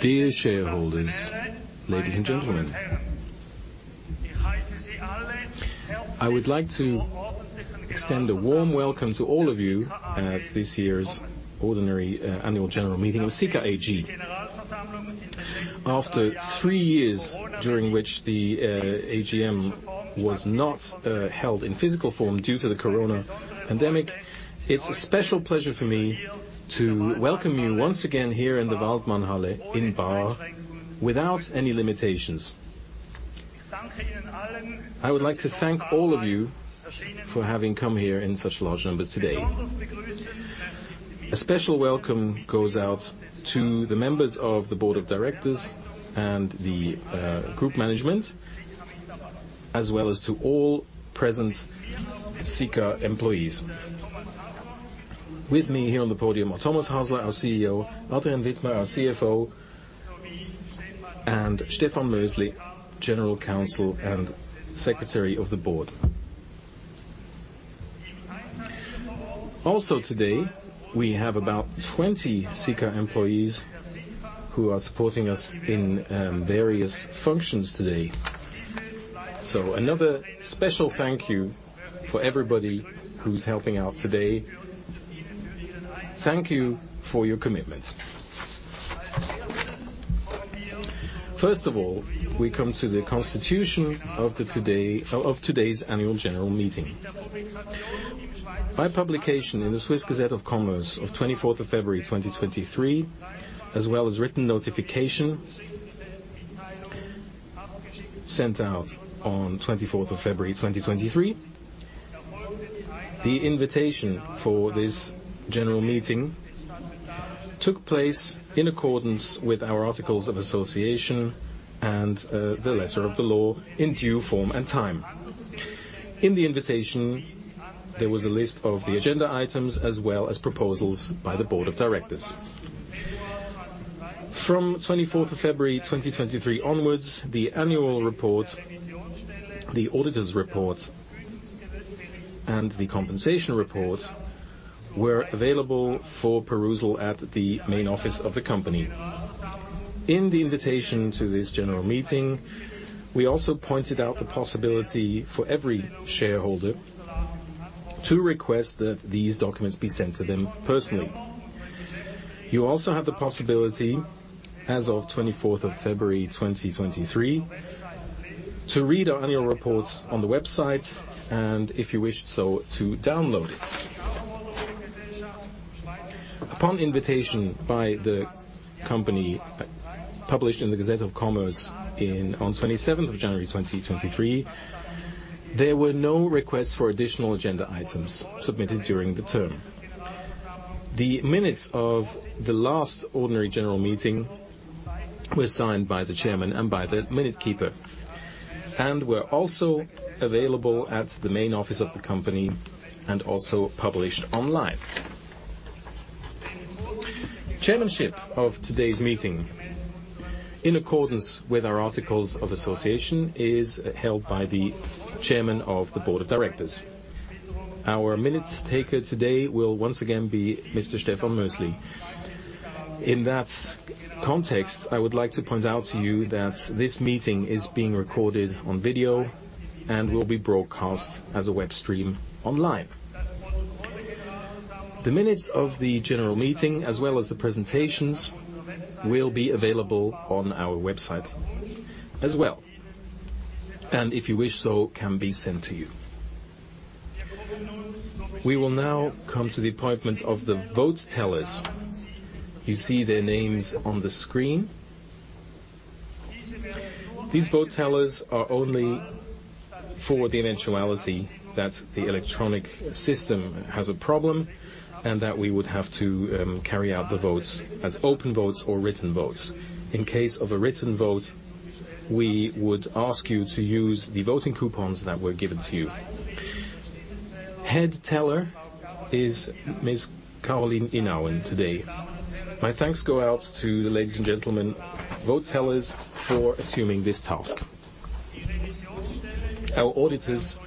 Dear shareholders, ladies and gentlemen. I would like to extend a warm welcome to all of you at this year's ordinary Annual General Meeting of Sika AG. After three years during which the AGM was not held in physical form due to the corona pandemic, it's a special pleasure for me to welcome you once again here in the Waldmannhalle in Baar without any limitations. I would like to thank all of you for having come here in such large numbers today. A special welcome goes out to the members of the Board of Directors and the Group Management, as well as to all present Sika employees. With me here on the podium are Thomas Hasler, our CEO, Adrian Widmer, our CFO, and Stefan Mösli, General Counsel and Secretary of the Board. Today, we have about 20 Sika employees who are supporting us in various functions today. Another special thank you for everybody who's helping out today. Thank you for your commitment. First of all, we come to the constitution of today's annual general meeting. By publication in the Swiss Official Gazette of Commerce of 24th of February, 2023, as well as written notification sent out on 24th of February, 2023, the invitation for this general meeting took place in accordance with our articles of association and the letter of the law in due form and time. In the invitation, there was a list of the agenda items as well as proposals by the board of directors. From 24th of February, 2023 onwards, the annual report, the auditor's report, and the compensation report were available for perusal at the main office of the company. In the invitation to this general meeting, we also pointed out the possibility for every shareholder to request that these documents be sent to them personally. You also have the possibility, as of 24th of February, 2023, to read our annual report on the website and if you wish so to download it. Upon invitation by the company published in the Gazette of Commerce on 27th of January, 2023, there were no requests for additional agenda items submitted during the term. The minutes of the last ordinary general meeting were signed by the chairman and by the minute keeper, and were also available at the main office of the company and also published online. Chairmanship of today's meeting, in accordance with our articles of association, is held by the Chairman of the Board of Directors. Our minutes taker today will once again be Mr. Stefan Mösli. In that context, I would like to point out to you that this meeting is being recorded on video and will be broadcast as a web stream online. The minutes of the General Meeting, as well as the presentations, will be available on our website as well, and if you wish so, can be sent to you. We will now come to the appointment of the vote tellers. You see their names on the screen. These vote tellers are only for the eventuality that the electronic system has a problem and that we would have to carry out the votes as open votes or written votes. In case of a written vote, we would ask you to use the voting coupons that were given to you. Head teller is Ms. Caroline Inauen today. My thanks go out to the ladies and gentlemen vote tellers for assuming this task. Our auditors,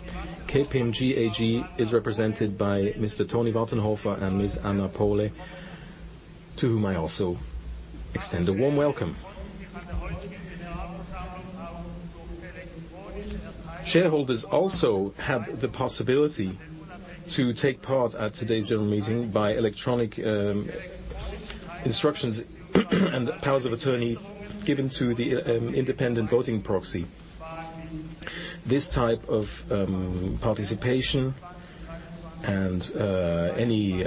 KPMG AG, is represented by Mr. Toni Wattenhofer and Ms. Anna Pohle, to whom I also extend a warm welcome. Shareholders also have the possibility to take part at today's general meeting by electronic instructions and powers of attorney given to the independent voting proxy. This type of participation and any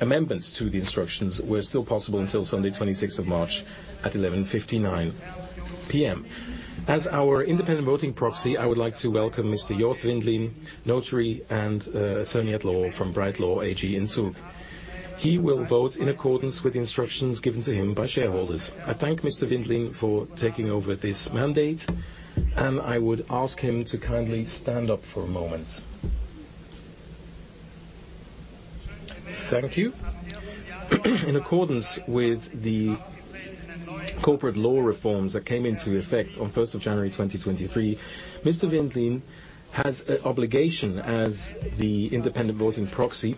amendments to the instructions were still possible until Sunday, 26th of March at 11:59 P.M. As our Independent Voting Proxy, I would like to welcome Mr. Jost Windlin, notary and attorney at law from Bright Law AG in Zug. He will vote in accordance with the instructions given to him by shareholders. I thank Mr. Windlin for taking over this mandate, and I would ask him to kindly stand up for a moment. Thank you. In accordance with the corporate law reforms that came into effect on first of January 2023. Mr. Windlin has an obligation as the independent voting proxy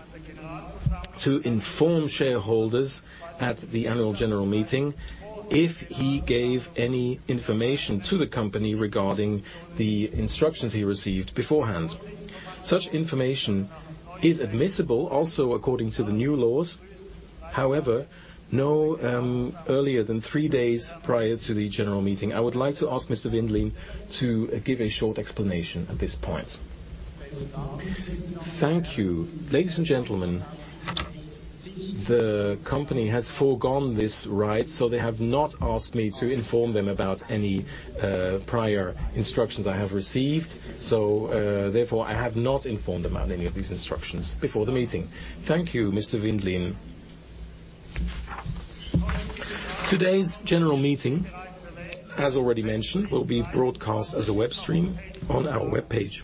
to inform shareholders at the annual general meeting if he gave any information to the company regarding the instructions he received beforehand. Such information is admissible also according to the new laws. However, no, earlier than three days prior to the general meeting. I would like to ask Mr. Windlin to give a short explanation at this point. Thank you. Ladies and gentlemen, the company has foregone this right, so they have not asked me to inform them about any prior instructions I have received. Therefore, I have not informed them about any of these instructions before the meeting. Thank you, Mr. Windlin. Today's general meeting, as already mentioned, will be broadcast as a web stream on our webpage.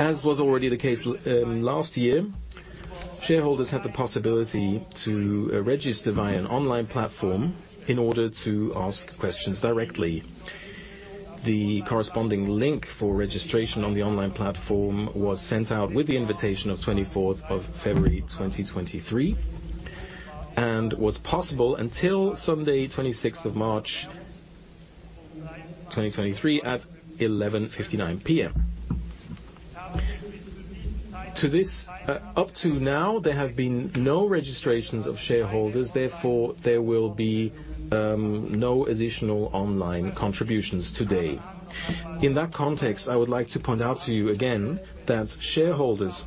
As was already the case last year, shareholders had the possibility to register via an online platform in order to ask questions directly. The corresponding link for registration on the online platform was sent out with the invitation of 24th of February 2023, and was possible until Sunday, 26th of March 2023 at 11:59 P.M. To this, up to now, there have been no registrations of shareholders, therefore, there will be no additional online contributions today. In that context, I would like to point out to you again that shareholders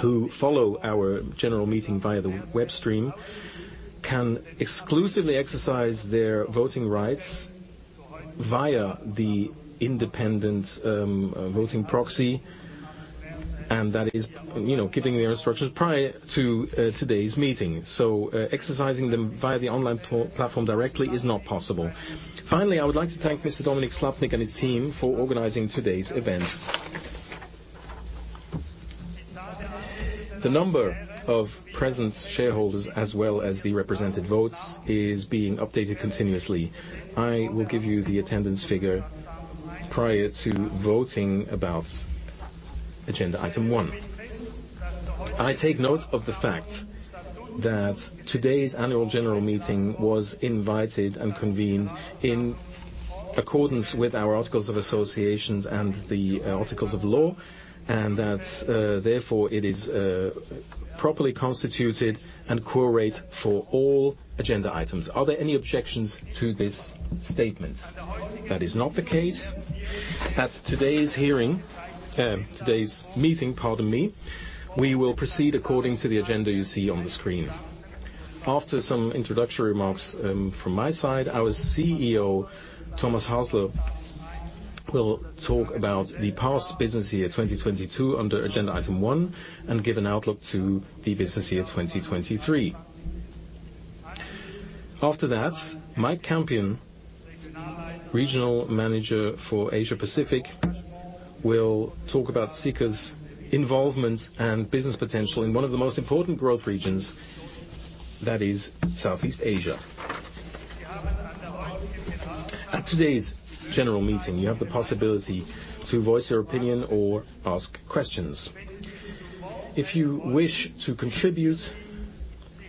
who follow our general meeting via the web stream can exclusively exercise their voting rights via the independent voting proxy, and that is, you know, giving their instructions prior to today's meeting. Exercising them via the online platform directly is not possible. Finally, I would like to thank Mr. Dominik Slappnig and his team for organizing today's event. The number of present shareholders as well as the represented votes is being updated continuously. I will give you the attendance figure prior to voting about agenda item one. I take note of the fact that today's Annual General Meeting was invited and convened in accordance with our Articles of Associations and the articles of law, and that therefore, it is properly constituted and quorate for all agenda items. Are there any objections to this statement? That is not the case. At today's meeting, pardon me, we will proceed according to the agenda you see on the screen. After some introductory remarks from my side, our CEO, Thomas Hasler, will talk about the past business year 2022 under agenda item one and give an outlook to the business year 2023. After that, Mike Campion, Regional Manager for Asia Pacific, will talk about Sika's involvement and business potential in one of the most important growth regions, that is Southeast Asia. At today's general meeting, you have the possibility to voice your opinion or ask questions. If you wish to contribute,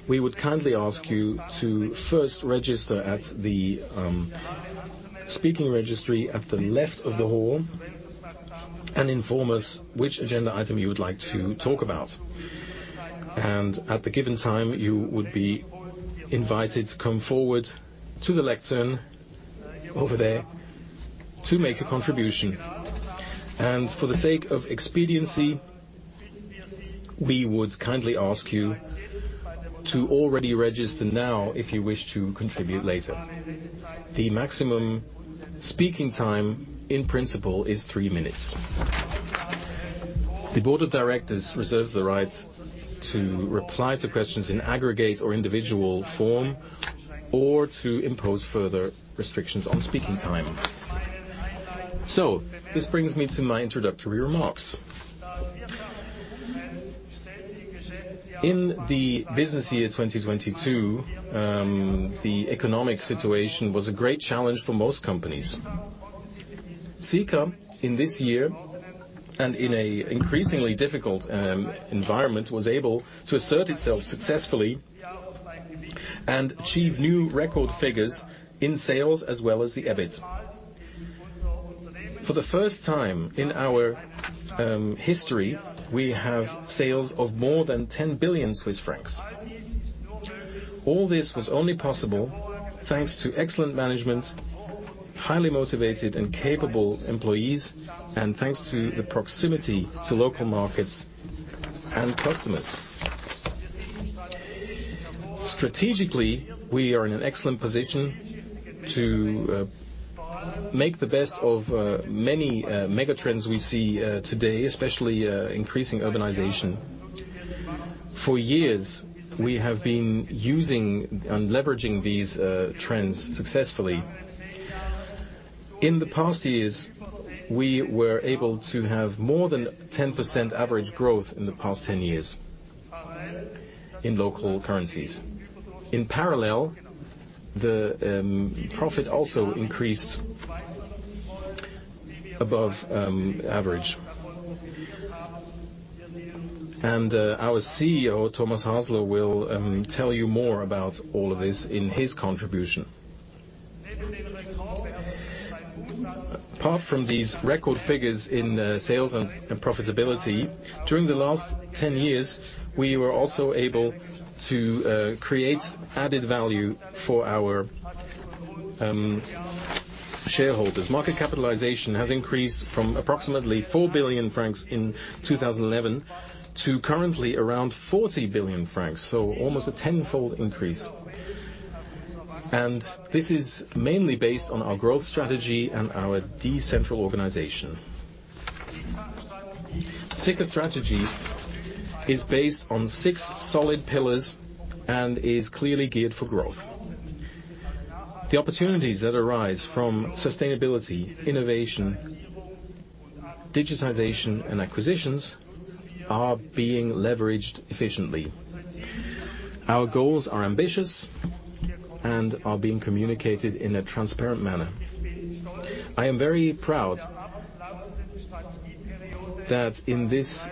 we would kindly ask you to first register at the speaking registry at the left of the hall and inform us which agenda item you would like to talk about. At the given time, you would be invited to come forward to the lectern over there to make a contribution. For the sake of expediency, we would kindly ask you to already register now if you wish to contribute later. The maximum speaking time, in principle, is three minutes. The board of directors reserves the right to reply to questions in aggregate or individual form or to impose further restrictions on speaking time. This brings me to my introductory remarks. In the business year 2022, the economic situation was a great challenge for most companies. Sika, in this year and in an increasingly difficult environment, was able to assert itself successfully and achieve new record figures in sales as well as the EBIT. For the first time in our history, we have sales of more than 10 billion Swiss francs. All this was only possible thanks to excellent management, highly motivated and capable employees, and thanks to the proximity to local markets and customers. Strategically, we are in an excellent position to make the best of many megatrends we see today, especially increasing urbanization. For years, we have been using and leveraging these trends successfully. In the past years, we were able to have more than 10% average growth in the past 10 years in local currencies. In parallel, the profit also increased above average. Our CEO, Thomas Hasler, will tell you more about all of this in his contribution. Apart from these record figures in sales and profitability, during the last 10 years, we were also able to create added value for our shareholders. Market capitalization has increased from approximately 4 billion francs in 2011 to currently around 40 billion francs, so almost a tenfold increase. This is mainly based on our growth strategy and our decentral organization. Sika strategy is based on six solid pillars and is clearly geared for growth. The opportunities that arise from sustainability, innovation, digitization, and acquisitions are being leveraged efficiently. Our goals are ambitious and are being communicated in a transparent manner. I am very proud that in this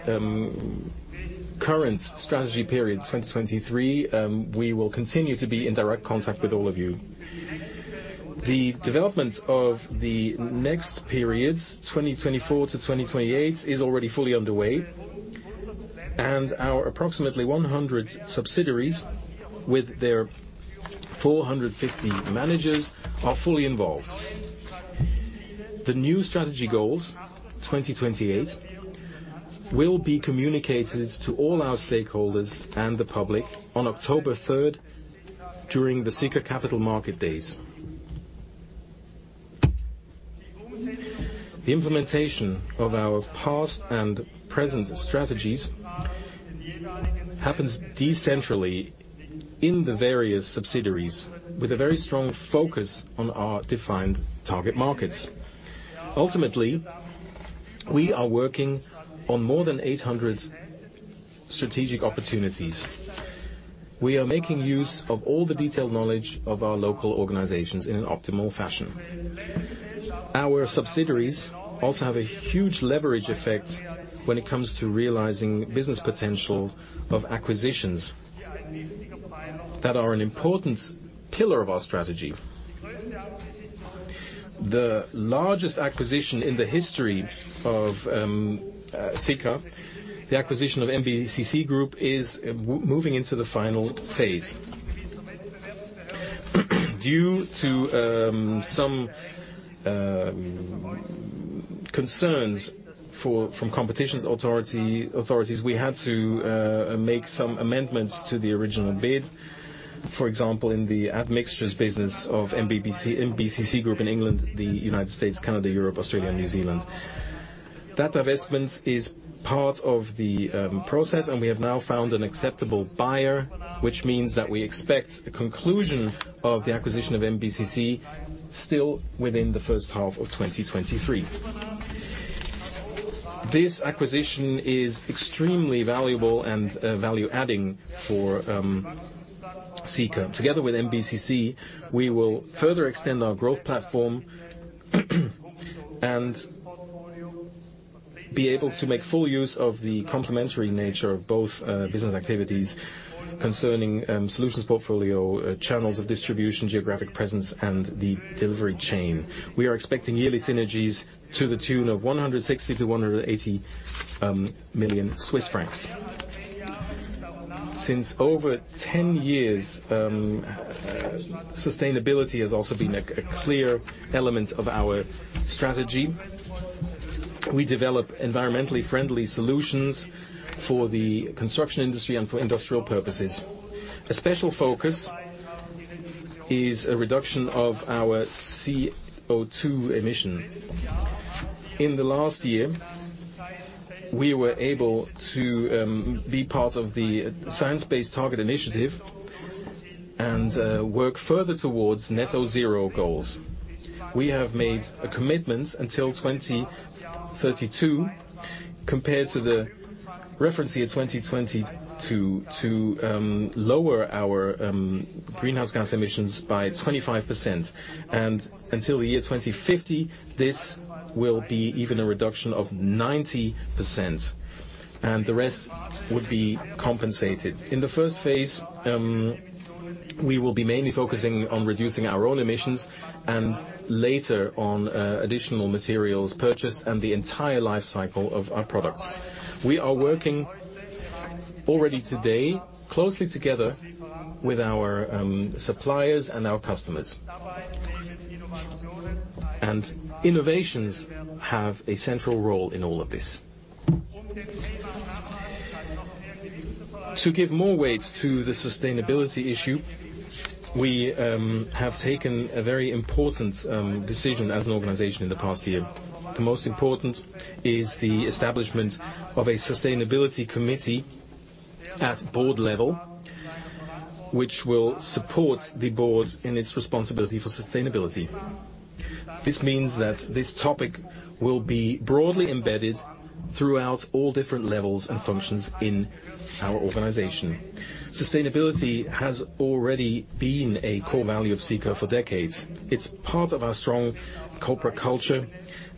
current strategy period, 2023, we will continue to be in direct contact with all of you. The development of the next periods, 2024 to 2028, is already fully underway, and our approximately 100 subsidiaries with their 450 managers are fully involved. The new strategy goals, 2028, will be communicated to all our stakeholders and the public on October 3rd during the Sika Capital Markets Day. The implementation of our past and present strategies happens decentrally in the various subsidiaries with a very strong focus on our defined target markets. Ultimately, we are working on more than 800 strategic opportunities. We are making use of all the detailed knowledge of our local organizations in an optimal fashion. Our subsidiaries also have a huge leverage effect when it comes to realizing business potential of acquisitions that are an important pillar of our strategy. The largest acquisition in the history of Sika, the acquisition of MBCC Group, is moving into the final phase. Due to some concerns from competition authorities, we had to make some amendments to the original bid. For example, in the admixtures business of MBCC Group in England, the United States, Canada, Europe, Australia, New Zealand. That divestment is part of the process, we have now found an acceptable buyer, which means that we expect the conclusion of the acquisition of MBCC still within the H1 of 2023. This acquisition is extremely valuable and value-adding for Sika. Together with MBCC, we will further extend our growth platform and be able to make full use of the complementary nature of both business activities concerning solutions portfolio, channels of distribution, geographic presence, and the delivery chain. We are expecting yearly synergies to the tune of 160 million-180 million Swiss francs. Since over 10 years, sustainability has also been a clear element of our strategy. We develop environmentally friendly solutions for the construction industry and for industrial purposes. A special focus is a reduction of our CO2 emission. In the last year, we were able to be part of the Science Based Targets initiative and work further towards net zero goals. We have made a commitment until 2032 compared to the reference year 2020 to lower our greenhouse gas emissions by 25%. Until the year 2050, this will be even a reduction of 90%, and the rest would be compensated. In the first phase, we will be mainly focusing on reducing our own emissions and later on additional materials purchased and the entire life cycle of our products. We are working already today closely together with our suppliers and our customers. Innovations have a central role in all of this. To give more weight to the sustainability issue, we have taken a very important decision as an organization in the past year. The most important is the establishment of a sustainability committee at board level. Which will support the board in its responsibility for sustainability. This means that this topic will be broadly embedded throughout all different levels and functions in our organization. Sustainability has already been a core value of Sika for decades. It's part of our strong corporate culture,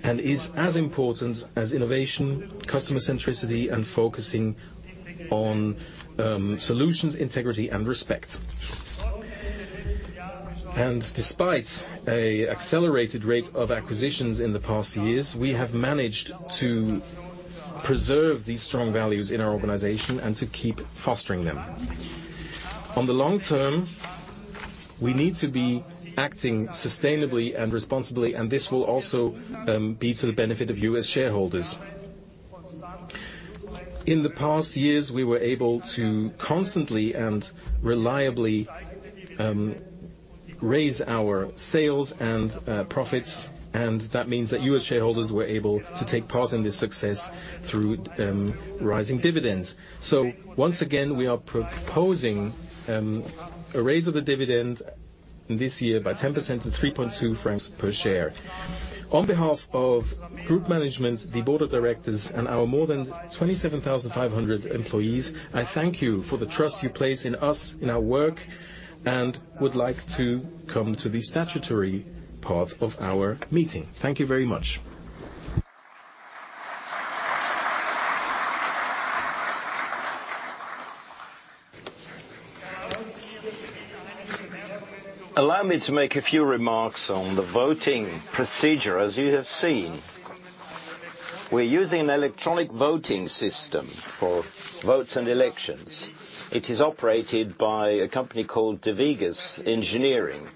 and is as important as innovation, customer centricity, and focusing on solutions, integrity, and respect. Despite a accelerated rate of acquisitions in the past years, we have managed to preserve these strong values in our organization and to keep fostering them. On the long term, we need to be acting sustainably and responsibly, and this will also be to the benefit of you as shareholders. In the past years, we were able to constantly and reliably raise our sales and profits, and that means that you as shareholders were able to take part in this success through rising dividends. Once again, we are proposing a raise of the dividend this year by 10% to 3.2 francs per share. On behalf of group management, the board of directors, and our more than 27,500 employees, I thank you for the trust you place in us, in our work, and would like to come to the statutory part of our meeting. Thank you very much. Allow me to make a few remarks on the voting procedure. As you have seen, we're using an electronic voting system for votes and elections. It is operated by a company called Devigus Engineering.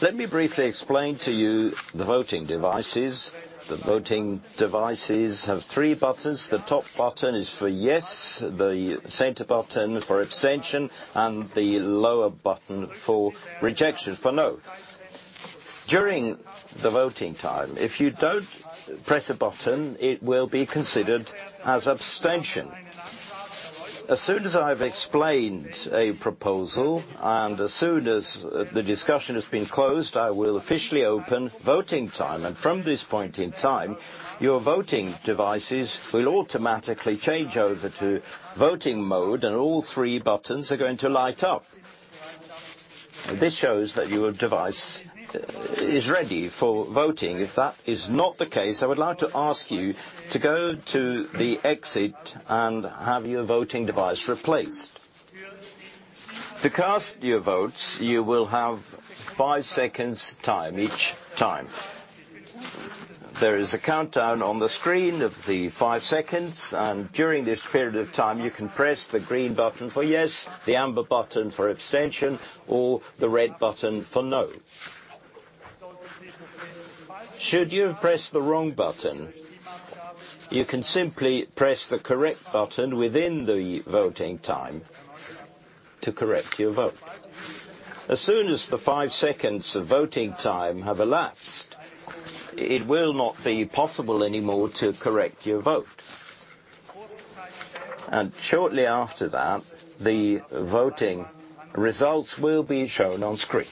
Let me briefly explain to you the voting devices. The voting devices have three buttons. The top button is for yes, the center button for abstention, and the lower button for rejection, for no. During the voting time, if you don't press a button, it will be considered as abstention. As soon as I've explained a proposal, and as soon as the discussion has been closed, I will officially open voting time. From this point in time, your voting devices will automatically change over to voting mode, and all three buttons are going to light up. This shows that your device is ready for voting. If that is not the case, I would like to ask you to go to the exit and have your voting device replaced. To cast your votes, you will have five seconds time each time. There is a countdown on the screen of the five seconds. During this period of time, you can press the green button for yes, the amber button for abstention, or the red button for no. Should you have pressed the wrong button, you can simply press the correct button within the voting time to correct your vote. As soon as the five seconds of voting time have elapsed, it will not be possible anymore to correct your vote. Shortly after that, the voting results will be shown on screen.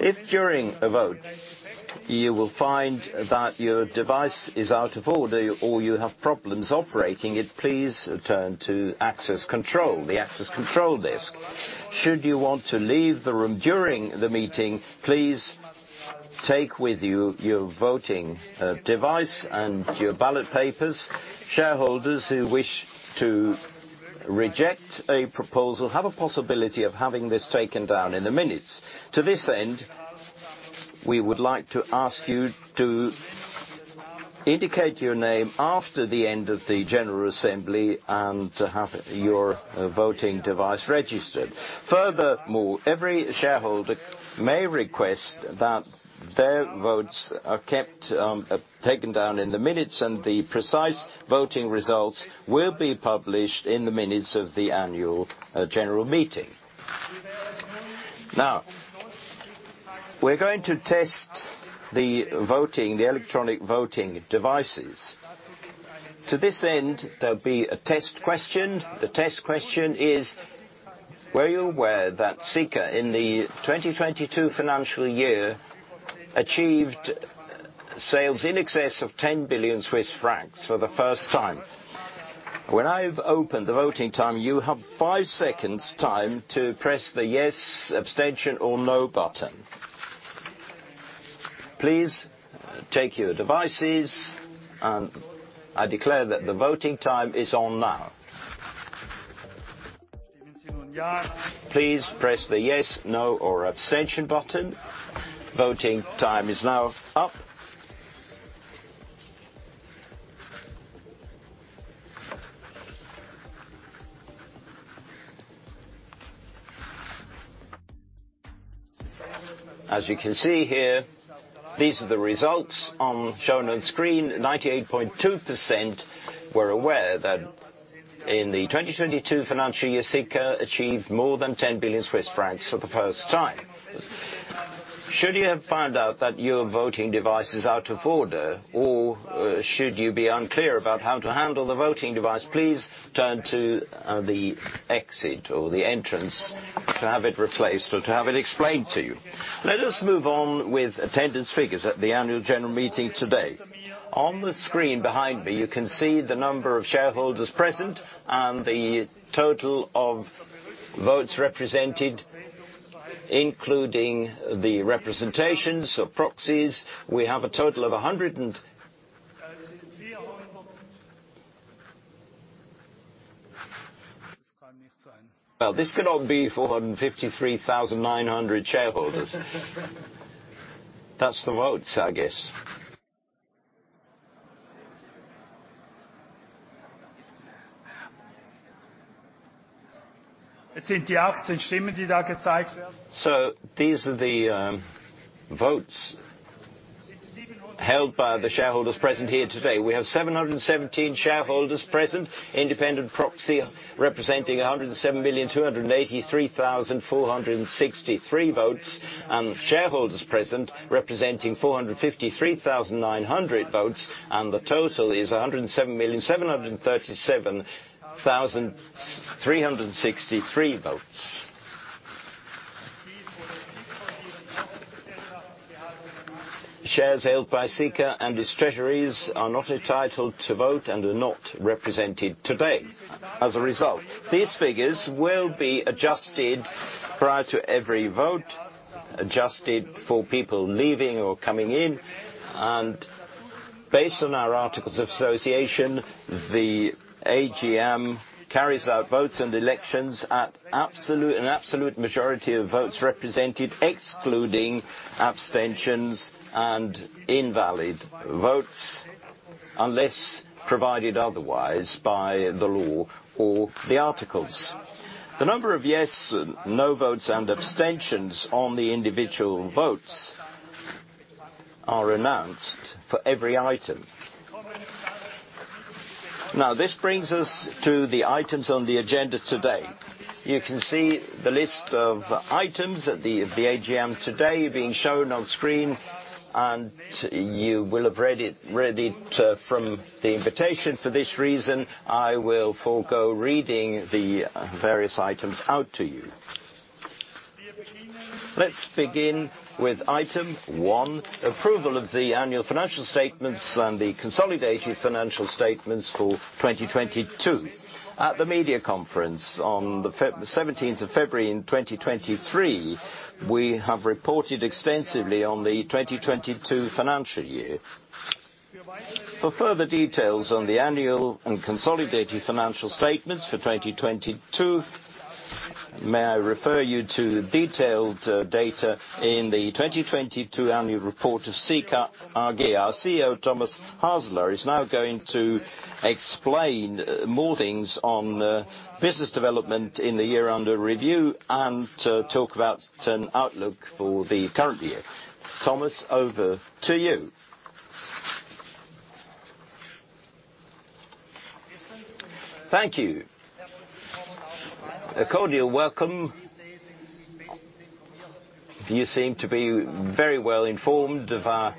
If during a vote you will find that your device is out of order or you have problems operating it, please turn to access control, the access control desk. Should you want to leave the room during the meeting, please take with you your voting device and your ballot papers. Shareholders who wish to reject a proposal have a possibility of having this taken down in the minutes. To this end, we would like to ask you to indicate your name after the end of the general assembly and to have your voting device registered. Furthermore, every shareholder may request that their votes are kept, taken down in the minutes, and the precise voting results will be published in the minutes of the annual general meeting. Now, we're going to test the voting, the electronic voting devices. To this end, there'll be a test question. The test question is, were you aware that Sika, in the 2022 financial year, achieved sales in excess of 10 billion Swiss francs for the first time? When I've opened the voting time, you have five seconds' time to press the yes, abstention, or no button. Please take your devices. I declare that the voting time is on now. Please press the yes, no, or abstention button. Voting time is now up. As you can see here, these are the results shown on screen. 98.2% were aware that in the 2022 financial year, Sika achieved more than 10 billion Swiss francs for the first time. Should you have found out that your voting device is out of order or should you be unclear about how to handle the voting device, please turn to the exit or the entrance to have it replaced or to have it explained to you. Let us move on with attendance figures at the annual general meeting today. On the screen behind me, you can see the number of shareholders present and the total of votes represented, including the representations or proxies. This could not be 453,900 shareholders. That's the votes, I guess. It's the 18 shares that are shown. These are the votes held by the shareholders present here today. We have 717 shareholders present, independent proxy representing 107,283,463 votes, and shareholders present representing 453,900 votes, and the total is 107,737,363 votes. Shares held by Sika and its treasuries are not entitled to vote and are not represented today as a result. These figures will be adjusted prior to every vote, adjusted for people leaving or coming in. Based on our articles of association, the AGM carries out votes and elections at an absolute majority of votes represented, excluding abstentions and invalid votes, unless provided otherwise by the law or the articles. The number of yes, no votes, and abstentions on the individual votes are announced for every item. This brings us to the items on the agenda today. You can see the list of items at the AGM today being shown on screen, and you will have read it from the invitation. For this reason, I will forgo reading the various items out to you. Let's begin with item one, approval of the annual financial statements and the consolidated financial statements for 2022. At the media conference on the 17th of February in 2023, we have reported extensively on the 2022 financial year. For further details on the annual and consolidated financial statements for 2022, may I refer you to the detailed data in the 2022 annual report of Sika AG. Our CEO, Thomas Hasler, is now going to explain more things on business development in the year under review and to talk about an outlook for the current year. Thomas, over to you. Thank you. A cordial welcome. You seem to be very well informed of our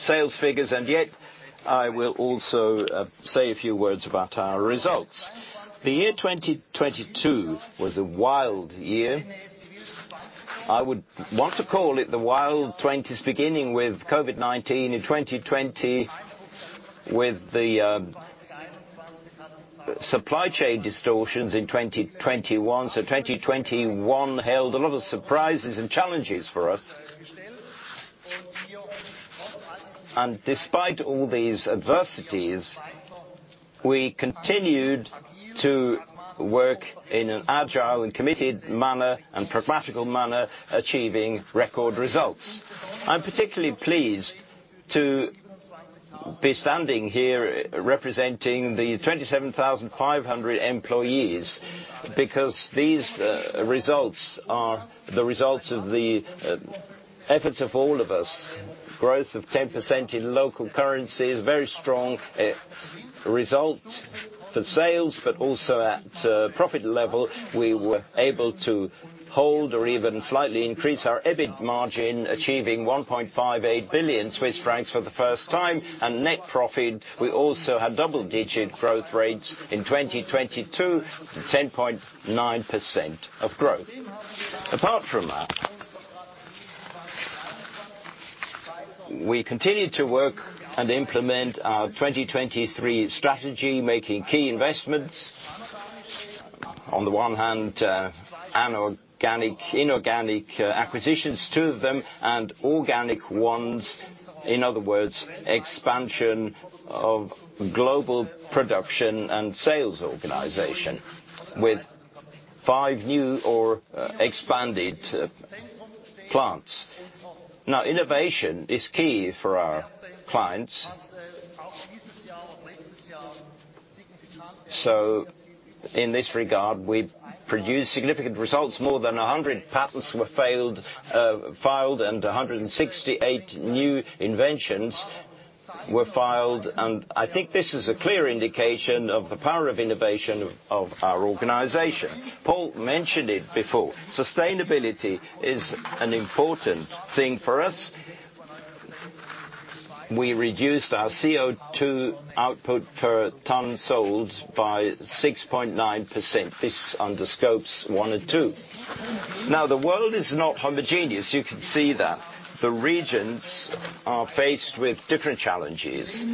sales figures, and yet I will also say a few words about our results. The year 2022 was a wild year. I would want to call it the wild twenties, beginning with COVID-19 in 2020, with the supply chain distortions in 2021. 2021 held a lot of surprises and challenges for us. Despite all these adversities, we continued to work in an agile and committed manner and pragmatical manner, achieving record results. I'm particularly pleased to be standing here representing the 27,500 employees because these results are the results of the efforts of all of us. Growth of 10% in local currency is very strong result for sales, but also at profit level, we were able to hold or even slightly increase our EBIT margin, achieving 1.58 billion Swiss francs for the first time. Net profit, we also had double-digit growth rates in 2022, 10.9% of growth. Apart from that, we continued to work and implement our 2023 strategy, making key investments. On the one hand, an organic, inorganic acquisitions, two of them, and organic ones, in other words, expansion of global production and sales organization with five new or expanded plants. Innovation is key for our clients. In this regard, we've produced significant results. More than 100 patents were filed and 168 new inventions were filed, and I think this is a clear indication of the power of innovation of our organization. Paul mentioned it before. Sustainability is an important thing for us. We reduced our CO2 output per ton sold by 6.9%. This is under Scope one and two. The world is not homogeneous. You can see that. The regions are faced with different challenges.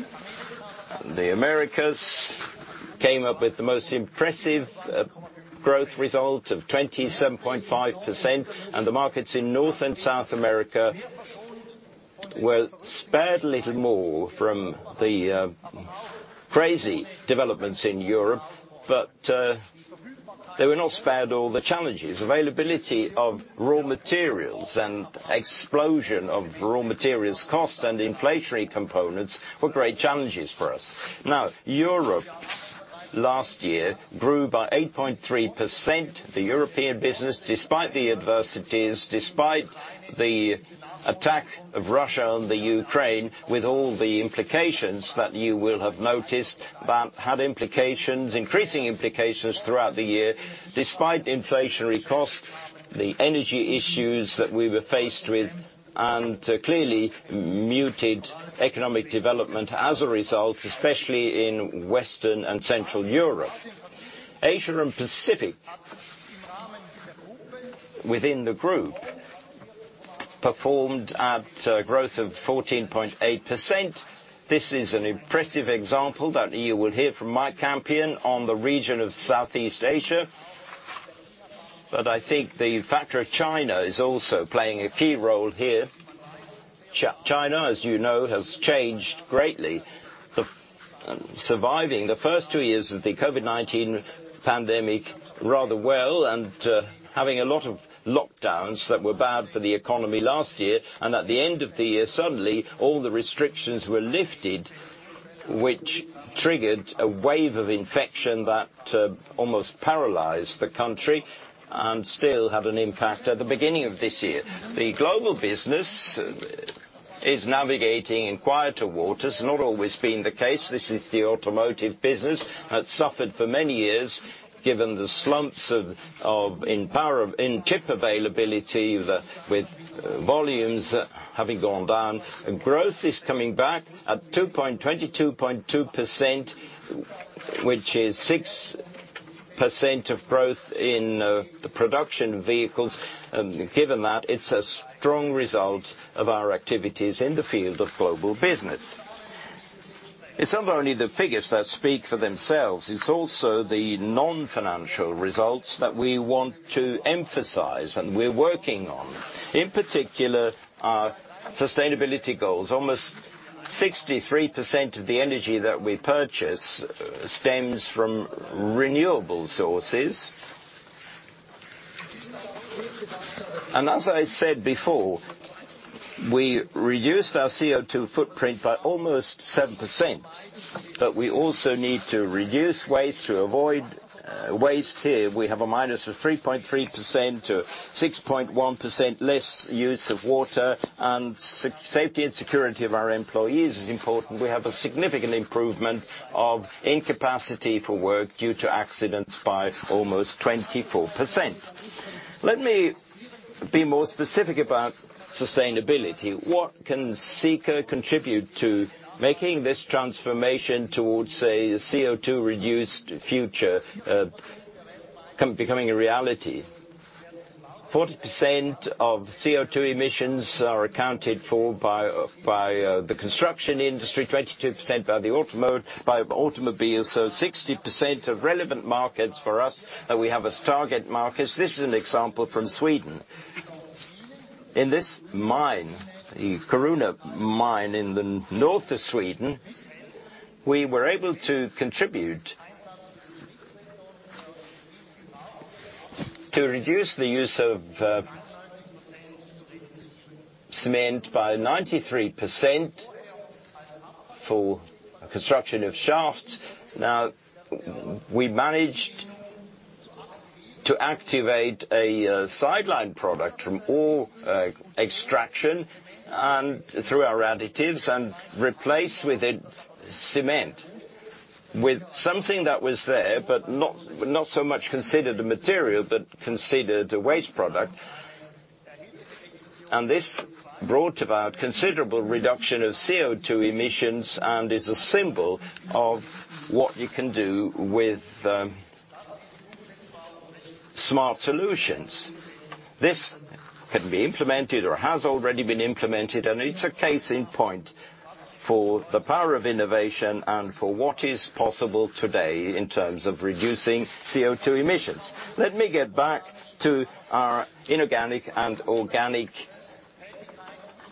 The Americas came up with the most impressive growth result of 27.5%, and the markets in North and South America were spared a little more from the crazy developments in Europe. They were not spared all the challenges. Availability of raw materials and explosion of raw materials costs and inflationary components were great challenges for us. Europe's last year grew by 8.3%. The European business, despite the adversities, despite the attack of Russia on the Ukraine, with all the implications that you will have noticed, but had implications, increasing implications throughout the year. Despite the inflationary costs, the energy issues that we were faced with and clearly muted economic development as a result, especially in Western and Central Europe. Asia and Pacific within the group performed at a growth of 14.8%. This is an impressive example that you will hear from Mike Campion on the region of Southeast Asia. I think the factor of China is also playing a key role here. China, as you know, has changed greatly. Surviving the first two years of the COVID-19 pandemic rather well and having a lot of lockdowns that were bad for the economy last year and at the end of the year, suddenly all the restrictions were lifted, which triggered a wave of infection that almost paralyzed the country and still had an impact at the beginning of this year. The global business is navigating in quieter waters, not always been the case. This is the automotive business. Had suffered for many years, given the slumps of in power, in chip availability, the, with volumes having gone down. Growth is coming back at two. 22.2%, which is 6% of growth in the production vehicles. Given that, it's a strong result of our activities in the field of global business. It's not only the figures that speak for themselves, it's also the non-financial results that we want to emphasize and we're working on. In particular, our sustainability goals. Almost 63% of the energy that we purchase stems from renewable sources. As I said before, we reduced our CO2 footprint by almost 7%, but we also need to reduce waste to avoid waste. Here we have a minus of 3.3% to 6.1% less use of water. Safety and security of our employees is important. We have a significant improvement of incapacity for work due to accidents by almost 24%. Let me be more specific about sustainability. What can Sika contribute to making this transformation towards a CO2 reduced future becoming a reality? 40% of CO2 emissions are accounted for by the construction industry, 22% by automobiles, 60% of relevant markets for us that we have as target markets. This is an example from Sweden. In this mine, the Kiruna mine in the north of Sweden, we were able to contribute to reduce the use of cement by 93% for construction of shafts. Now, we managed to activate a sideline product from ore extraction and through our additives and replace with it cement. With something that was there, but not so much considered a material, but considered a waste product. This brought about considerable reduction of CO2 emissions and is a symbol of what you can do with smart solutions. This can be implemented or has already been implemented, it's a case in point for the power of innovation and for what is possible today in terms of reducing CO2 emissions. Let me get back to our inorganic and organic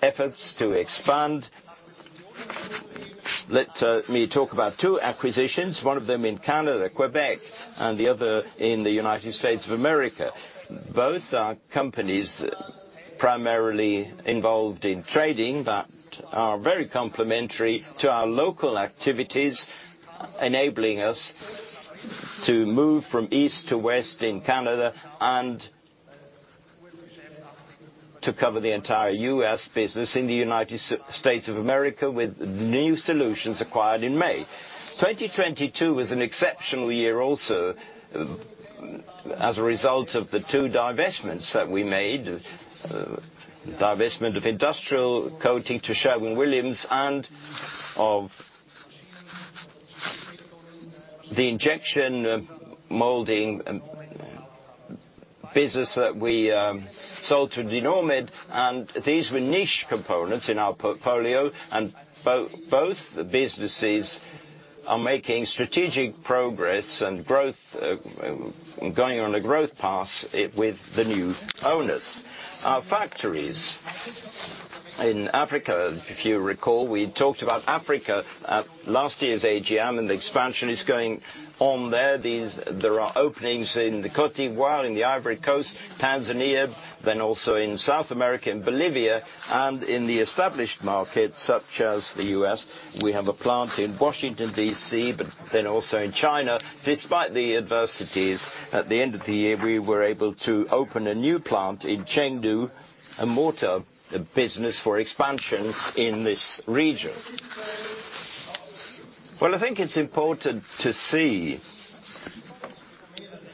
efforts to expand. Let me talk about two acquisitions, one of them in Canada, Quebec, and the other in the United States of America. Both are companies primarily involved in trading that are very complementary to our local activities, enabling us to move from east to west in Canada and to cover the entire US business in the United States of America with new solutions acquired in May. 2022 was an exceptional year also as a result of the two divestments that we made. Divestment of industrial coating to Sherwin-Williams and of the injection molding business that we sold to Dinormed. These were niche components in our portfolio, and both the businesses are making strategic progress and growth going on a growth path with the new owners. Our factories in Africa, if you recall, we talked about Africa at last year's AGM, and the expansion is going on there. There are openings in the Côte d'Ivoire, in the Ivory Coast, Tanzania, then also in South America, in Bolivia, and in the established markets such as the U.S. We have a plant in Washington, D.C., but then also in China. Despite the adversities, at the end of the year, we were able to open a new plant in Chengdu, a motor business for expansion in this region. I think it's important to see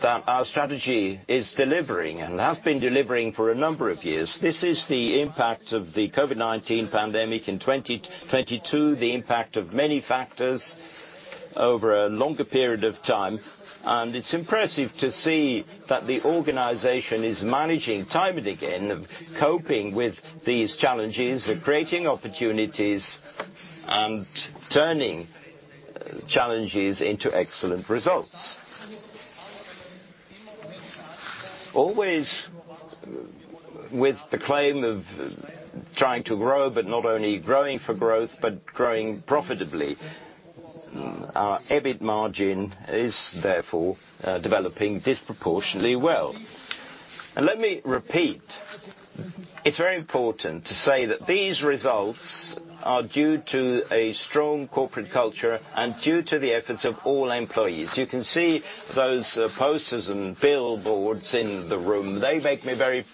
that our strategy is delivering and has been delivering for a number of years. This is the impact of the COVID-19 pandemic in 2022, the impact of many factors over a longer period of time. It's impressive to see that the organization is managing time and again, coping with these challenges, creating opportunities, and turning challenges into excellent results. Always with the claim of trying to grow, but not only growing for growth, but growing profitably. Our EBIT margin is therefore developing disproportionately well. Let me repeat, it's very important to say that these results are due to a strong corporate culture and due to the efforts of all employees. You can see those posters and billboards in the room. They make me very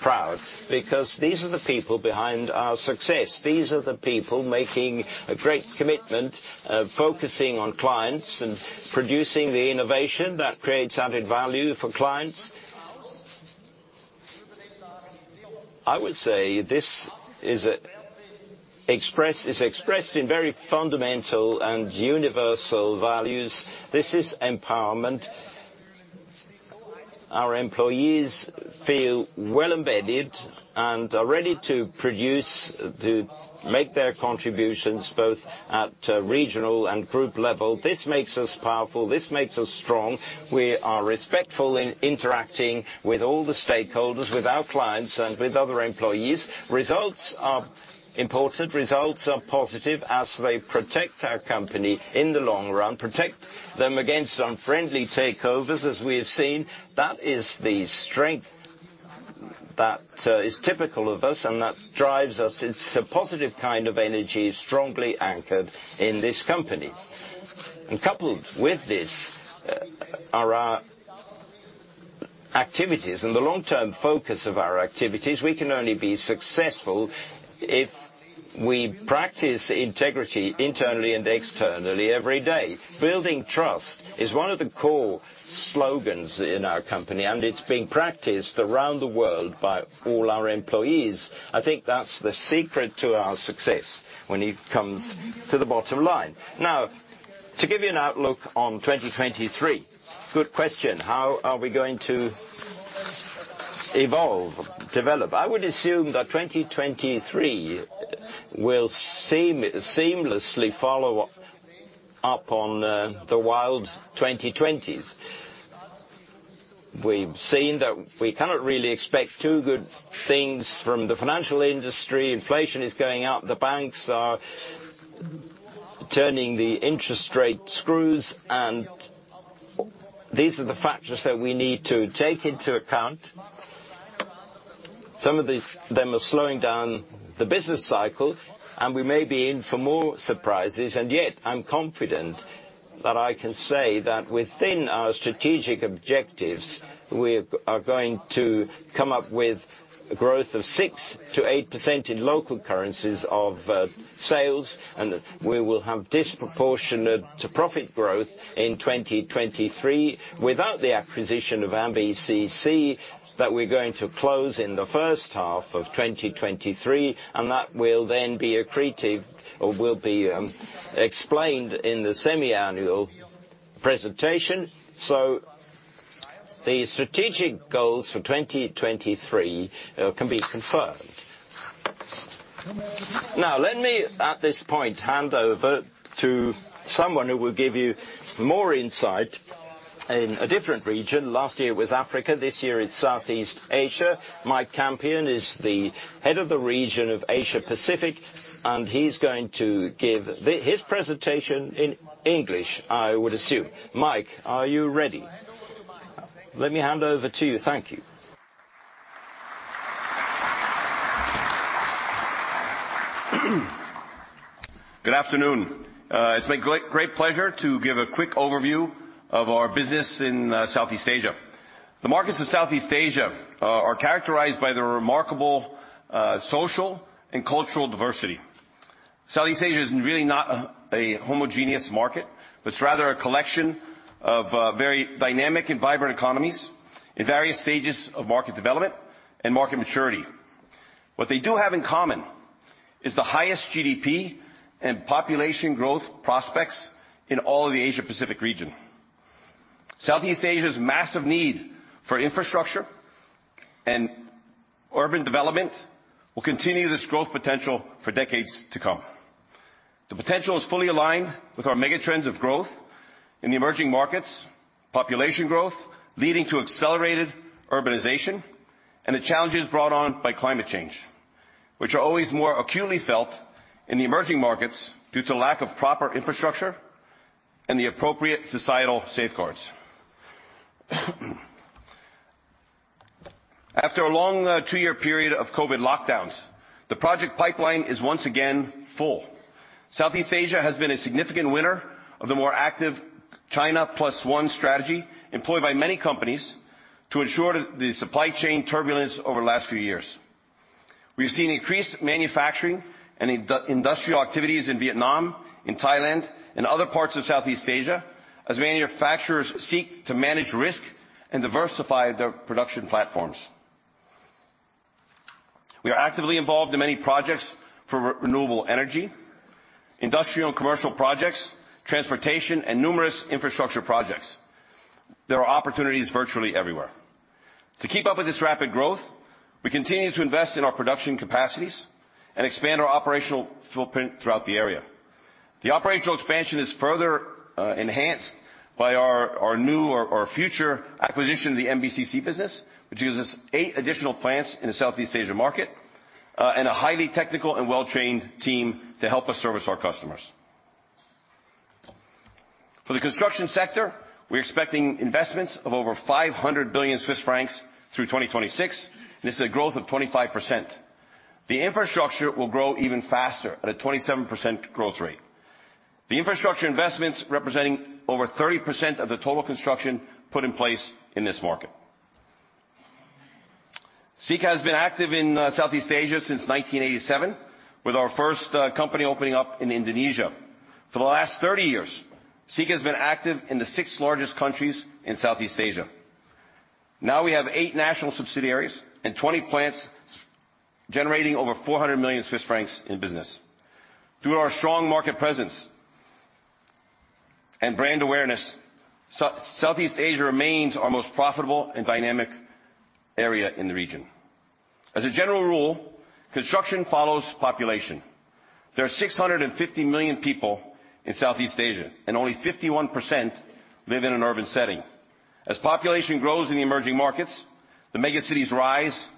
proud because these are the people behind our success. These are the people making a great commitment, focusing on clients and producing the innovation that creates added value for clients. I would say this is expressed in very fundamental and universal values. This is empowerment. Our employees feel well embedded and are ready to make their contributions both at a regional and group level. This makes us powerful. This makes us strong. We are respectful in interacting with all the stakeholders, with our clients, and with other employees. Results are important. Results are positive as they protect our company in the long run, protect them against unfriendly takeovers, as we have seen. That is the strength that is typical of us and that drives us. It's a positive kind of energy strongly anchored in this company. Coupled with this are our activities and the long-term focus of our activities, we can only be successful if we practice integrity internally and externally every day. Building trust is one of the core slogans in our company, and it's being practiced around the world by all our employees. I think that's the secret to our success when it comes to the bottom line. To give you an outlook on 2023, good question. How are we going to evolve, develop? I would assume that 2023 will seamlessly follow up on the wild 2020s. We've seen that we cannot really expect too good things from the financial industry. Inflation is going up. The banks are turning the interest rate screws, and these are the factors that we need to take into account. Some of them are slowing down the business cycle, and we may be in for more surprises. Yet, I'm confident that I can say that within our strategic objectives, we are going to come up with a growth of 6%-8% in local currencies of sales. We will have disproportionate to profit growth in 2023 without the acquisition of AMBCC that we're going to close in the H1 of 2023, and that will then be accretive or will be explained in the semiannual presentation. The strategic goals for 2023 can be confirmed. Let me, at this point, hand over to someone who will give you more insight in a different region. Last year it was Africa. This year it's Southeast Asia. Mike Campion is the head of the region of Asia Pacific. He's going to give his presentation in English, I would assume. Mike, are you ready? Let me hand over to you. Thank you. Good afternoon. It's my great pleasure to give a quick overview of our business in Southeast Asia. The markets of Southeast Asia are characterized by the remarkable social and cultural diversity. Southeast Asia is really not a homogeneous market, but it's rather a collection of very dynamic and vibrant economies in various stages of market development and market maturity. What they do have in common is the highest GDP and population growth prospects in all of the Asia-Pacific region. Southeast Asia's massive need for infrastructure and urban development will continue this growth potential for decades to come. The potential is fully aligned with our mega trends of growth in the emerging markets, population growth leading to accelerated urbanization, and the challenges brought on by climate change, which are always more acutely felt in the emerging markets due to lack of proper infrastructure and the appropriate societal safeguards. After a long, two-year period of COVID-19 lockdowns, the project pipeline is once again full. Southeast Asia has been a significant winner of the more active China Plus One strategy employed by many companies to ensure the supply chain turbulence over the last few years. We've seen increased manufacturing and industrial activities in Vietnam, in Thailand, and other parts of Southeast Asia as manufacturers seek to manage risk and diversify their production platforms. We are actively involved in many projects for renewable energy, industrial and commercial projects, transportation, and numerous infrastructure projects. There are opportunities virtually everywhere. To keep up with this rapid growth, we continue to invest in our production capacities and expand our operational footprint throughout the area. The operational expansion is further enhanced by our new or future acquisition of the MBCC business, which gives us eight additional plants in the Southeast Asia market and a highly technical and well-trained team to help us service our customers. For the construction sector, we're expecting investments of over 500 billion Swiss francs through 2026. This is a growth of 25%. The infrastructure will grow even faster at a 27% growth rate. The infrastructure investments representing over 30% of the total construction put in place in this market. Sika has been active in Southeast Asia since 1987 with our first company opening up in Indonesia. For the last 30 years, Sika has been active in the six largest countries in Southeast Asia. Now we have eight national subsidiaries and 20 plants generating over 400 million Swiss francs in business. Through our strong market presence and brand awareness, Southeast Asia remains our most profitable and dynamic area in the region. As a general rule, construction follows population. There are 650 million people in Southeast Asia, and only 51% live in an urban setting. As population grows in the emerging markets, the mega cities rise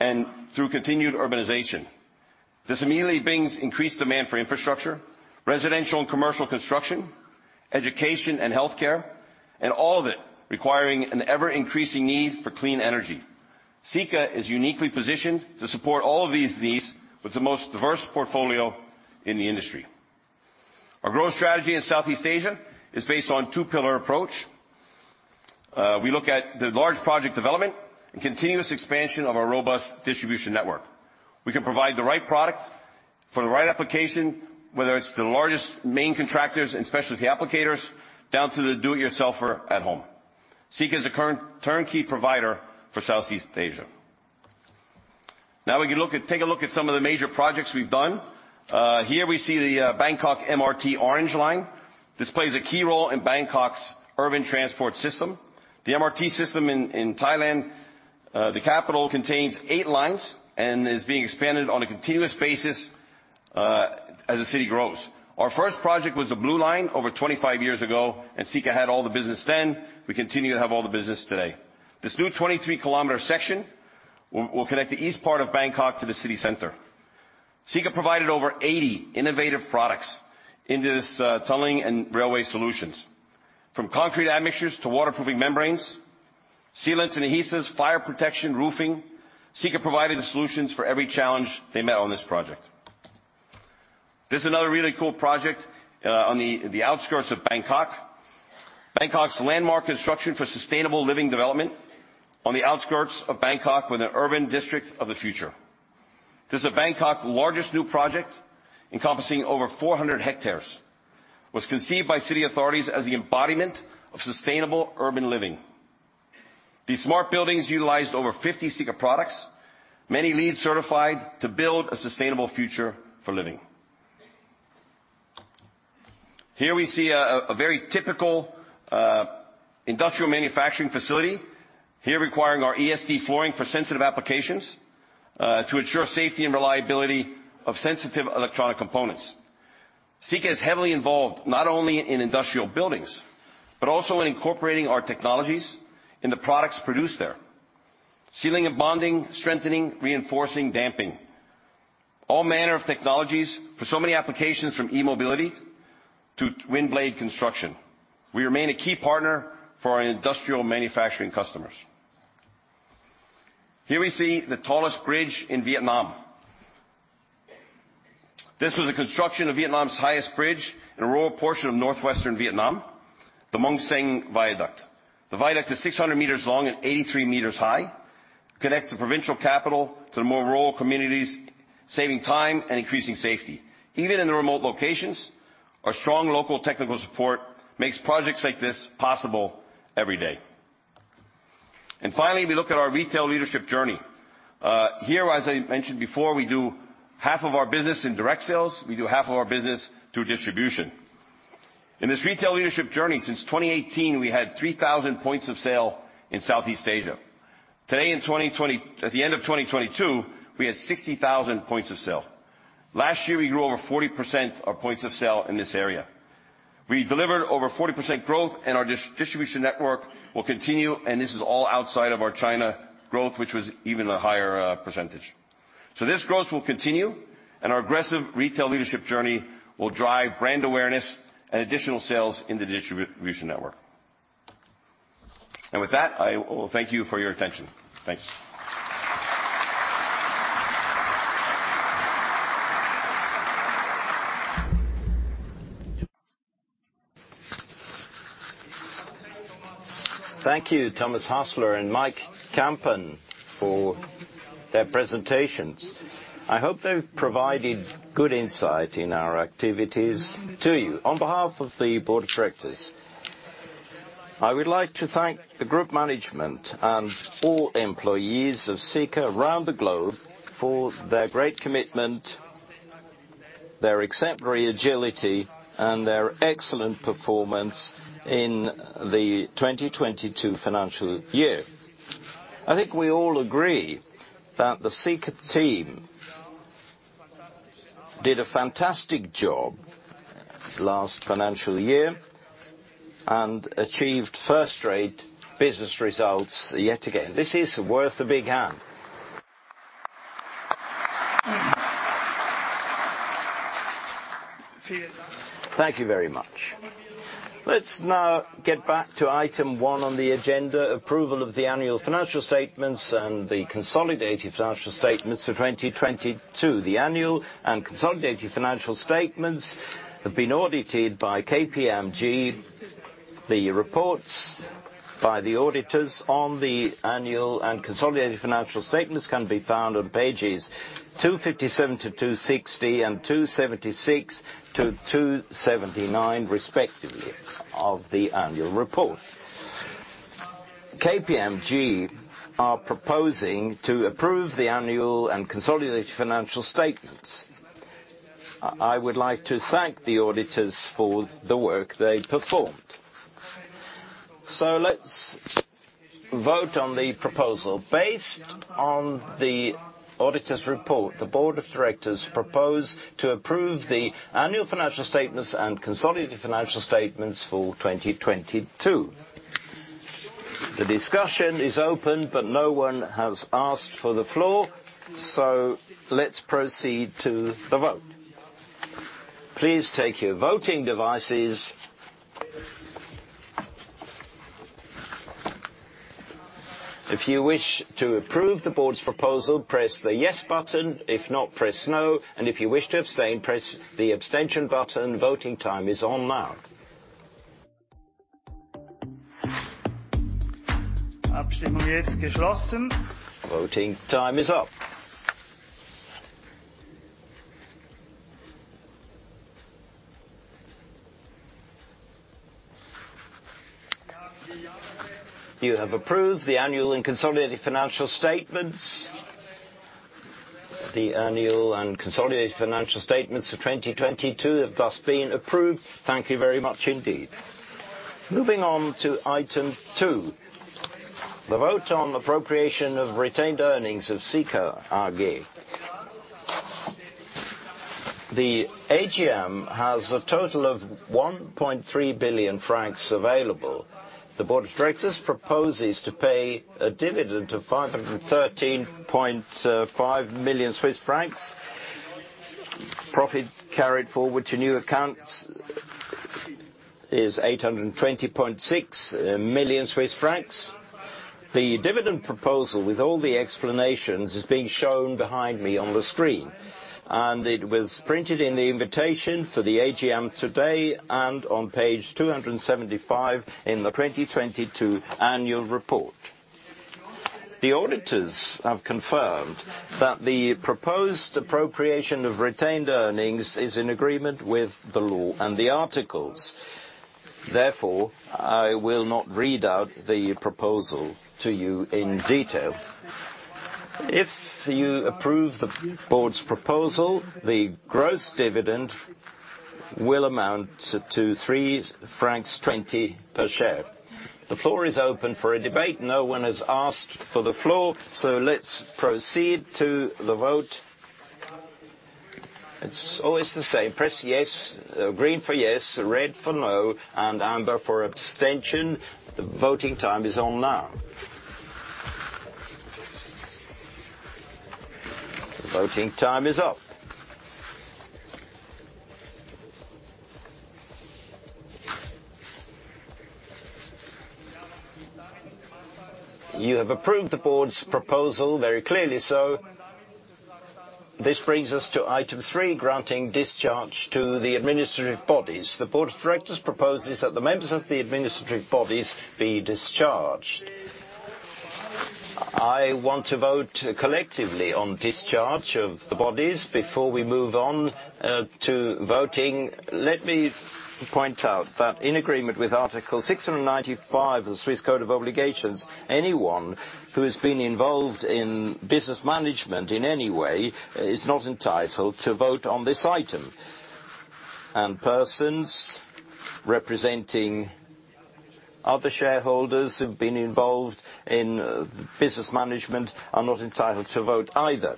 and through continued urbanization. This immediately brings increased demand for infrastructure, residential and commercial construction, education and healthcare, and all of it requiring an ever-increasing need for clean energy. Sika is uniquely positioned to support all of these needs with the most diverse portfolio in the industry. Our growth strategy in Southeast Asia is based on two-pillar approach. We look at the large project development and continuous expansion of our robust distribution network. We can provide the right product for the right application, whether it's the largest main contractors and specialty applicators, down to the do-it-yourselfer at home. Sika is a current turnkey provider for Southeast Asia. Now we can take a look at some of the major projects we've done. Here we see the Bangkok MRT Orange Line. This plays a key role in Bangkok's urban transport system. The MRT system in Thailand, the capital, contains eight lines and is being expanded on a continuous basis as the city grows. Our first project was the MRT Blue Line over 25 years ago. Sika had all the business then. We continue to have all the business today. This new 23-kilometer section will connect the east part of Bangkok to the city center. Sika provided over 80 innovative products into this tunneling and railway solutions. From concrete admixtures to waterproofing membranes, sealants and adhesives, fire protection, roofing, Sika provided the solutions for every challenge they met on this project. This is another really cool project on the outskirts of Bangkok. Bangkok's landmark construction for sustainable living development on the outskirts of Bangkok with an urban district of the future. This is Bangkok's largest new project encompassing over 400 hectares. Was conceived by city authorities as the embodiment of sustainable urban living. These smart buildings utilized over 50 Sika products, many LEED certified to build a sustainable future for living. Here we see a very typical industrial manufacturing facility here requiring our ESD flooring for sensitive applications to ensure safety and reliability of sensitive electronic components. Sika is heavily involved not only in industrial buildings, but also in incorporating our technologies in the products produced there. Sealing and bonding, strengthening, reinforcing, damping, all manner of technologies for so many applications from e-mobility to wind blade construction. We remain a key partner for our industrial manufacturing customers. Here we see the tallest bridge in Vietnam. This was the construction of Vietnam's highest bridge in a rural portion of northwestern Vietnam, the Mong Sen Viaduct. The viaduct is 600 meters long and 83 meters high. It connects the provincial capital to the more rural communities, saving time and increasing safety. Even in the remote locations, our strong local technical support makes projects like this possible every day. Finally, we look at our retail leadership journey. Here, as I mentioned before, we do half of our business in direct sales, we do half of our business through distribution. In this retail leadership journey, since 2018, we had 3,000 points of sale in Southeast Asia. Today, at the end of 2022, we had 60,000 points of sale. Last year, we grew over 40% of points of sale in this area. We delivered over 40% growth, our distribution network will continue, and this is all outside of our China growth, which was even a higher percentage. This growth will continue, our aggressive retail leadership journey will drive brand awareness and additional sales in the distribution network. With that, I will thank you for your attention. Thanks. Thank you, Thomas Hasler and Mike Campion for their presentations. I hope they've provided good insight in our activities to you. On behalf of the board of directors, I would like to thank the group management and all employees of Sika around the globe for their great commitment, their exemplary agility, and their excellent performance in the 2022 financial year. I think we all agree that the Sika team did a fantastic job last financial year and achieved first-rate business results yet again. This is worth a big hand. Thank you very much. Let's now get back to item one on the agenda, approval of the annual financial statements and the consolidated financial statements for 2022. The annual and consolidated financial statements have been audited by KPMG. The reports by the auditors on the annual and consolidated financial statements can be found on pages 257-260 and 276-279, respectively, of the annual report. KPMG are proposing to approve the annual and consolidated financial statements. I would like to thank the auditors for the work they performed. Let's vote on the proposal. Based on the auditor's report, the board of directors propose to approve the annual financial statements and consolidated financial statements for 2022. The discussion is open, but no one has asked for the floor, so let's proceed to the vote. Please take your voting devices. If you wish to approve the board's proposal, press the yes button. If not, press no. If you wish to abstain, press the abstention button. Voting time is on now. Voting time is up. You have approved the annual and consolidated financial statements. The annual and consolidated financial statements for 2022 have thus been approved. Thank you very much indeed. Moving on to item two, the vote on appropriation of retained earnings of Sika AG. The AGM has a total of 1.3 billion francs available. The board of directors proposes to pay a dividend of 513.5 million Swiss francs. Profit carried forward to new accounts is 820.6 million Swiss francs. The dividend proposal with all the explanations is being shown behind me on the screen, it was printed in the invitation for the AGM today and on page 275 in the 2022 annual report. The auditors have confirmed that the proposed appropriation of retained earnings is in agreement with the law and the articles. I will not read out the proposal to you in detail. If you approve the board's proposal, the gross dividend will amount to 3.20 francs per share. The floor is open for a debate. No one has asked for the floor, let's proceed to the vote. It's always the same. Press yes, green for yes, red for no, and amber for abstention. The voting time is on now. The voting time is up. You have approved the board's proposal very clearly. This brings us to item three, granting discharge to the administrative bodies. The board of directors proposes that the members of the administrative bodies be discharged. I want to vote collectively on discharge of the bodies. Before we move on to voting, let me point out that in agreement with Article 695 of the Swiss Code of Obligations, anyone who has been involved in business management in any way is not entitled to vote on this item. Persons representing other shareholders who've been involved in business management are not entitled to vote either.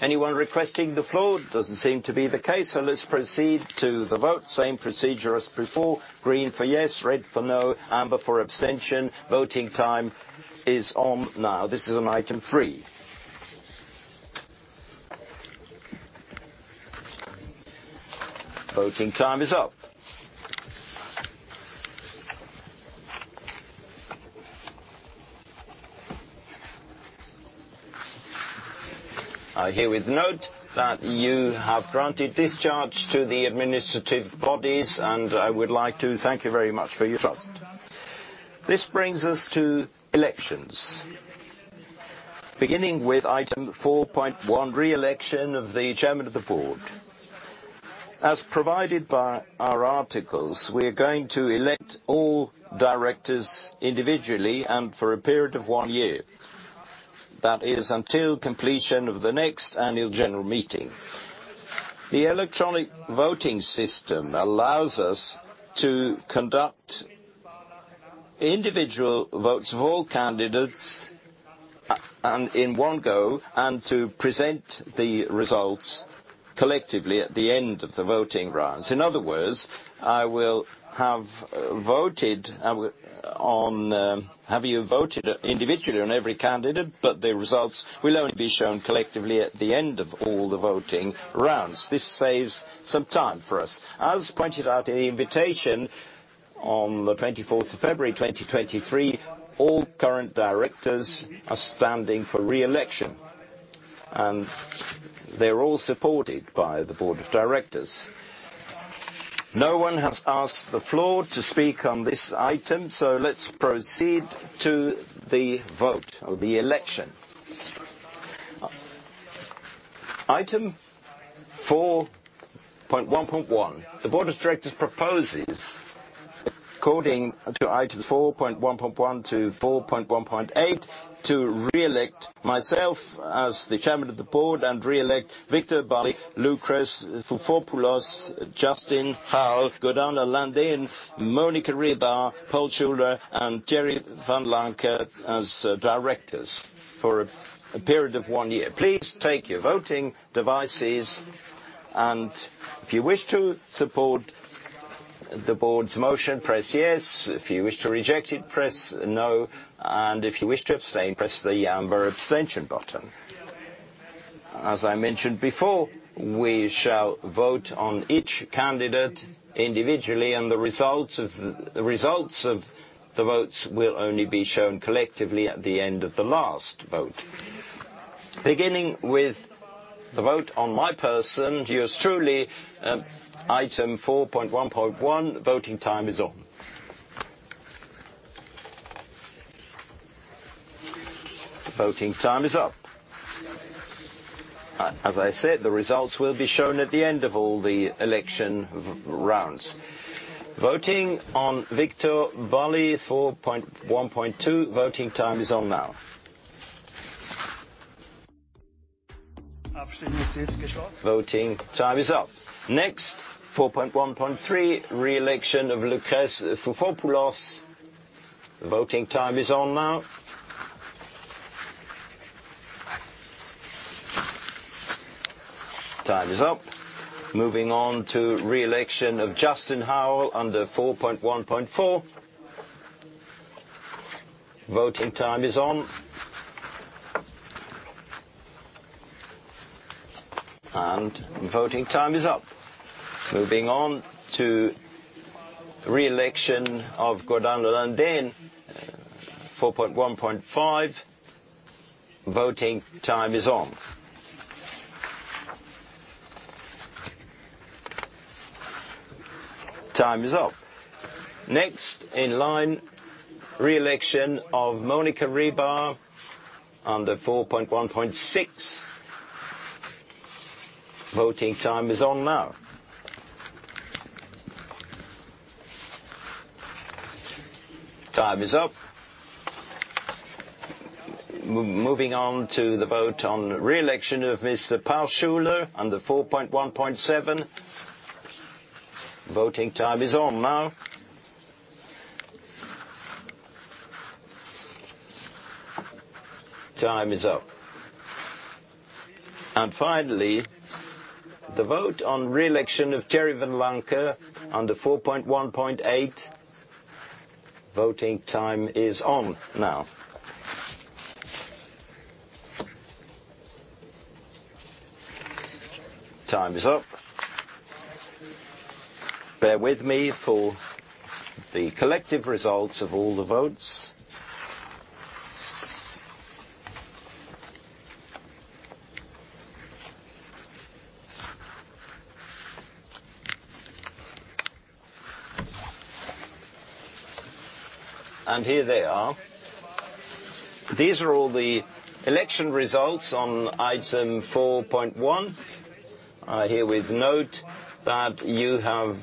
Anyone requesting the floor? Doesn't seem to be the case, let's proceed to the vote. Same procedure as before. Green for yes, red for no, amber for abstention. Voting time is on now. This is on item three. Voting time is up. I herewith note that you have granted discharge to the administrative bodies. I would like to thank you very much for your trust. This brings us to elections. Beginning with item 4.1: re-election of the chairman of the board. As provided by our articles, we are going to elect all directors individually and for a period of one year. That is, until completion of the next annual general meeting. The electronic voting system allows us to conduct individual votes of all candidates and in one go, and to present the results collectively at the end of the voting rounds. In other words, I will have voted on. Have you voted individually on every candidate. The results will only be shown collectively at the end of all the voting rounds. This saves some time for us. As pointed out in the invitation on the 24th of February, 2023, all current Directors are standing for re-election, and they're all supported by the Board of Directors. No one has asked the floor to speak on this item. Let's proceed to the vote or the election. Item 4.1.1. The Board of Directors proposes, according to item 4.1.1 to 4.1.8, to re-elect myself as the Chairman of the Board and re-elect Viktor Bälli, Lucrèce Foufopoulos-De Ridder, Justin Howell, Gordana Landén, Monika Ribar, Paul Schuler, and Thierry F.J. Vanlancker as Directors for a period of one year. Please take your voting devices. If you wish to support the board's motion, press yes. If you wish to reject it, press no. If you wish to abstain, press the amber abstention button. As I mentioned before, we shall vote on each candidate individually. The results of the votes will only be shown collectively at the end of the last vote. Beginning with the vote on my person, yours truly, item 4.1.1. Voting time is on. Voting time is up. As I said, the results will be shown at the end of all the election rounds. Voting on Viktor Bälli, 4.1.2. Voting time is on now. Voting time is up. Next, 4.1.3, re-election of Lucrèce Foufopoulos-De Ridder. Voting time is on now. Time is up. Moving on to re-election of Justin Howell under 4.1.4. Voting time is on. Voting time is up. Moving on to re-election of Gordana Landén, 4.1.5. Voting time is on. Time is up. Next in line, re-election of Monika Ribar under 4.1.6. Voting time is on now. Time is up. Moving on to the vote on re-election of Mr. Paul Schuler under 4.1.7. Voting time is on now. Time is up. Finally, the vote on re-election of Thierry F.J. Vanlancker under 4.1.8. Voting time is on now. Time is up. Bear with me for the collective results of all the votes. Here they are. These are all the election results on item 4.1. I herewith note that you have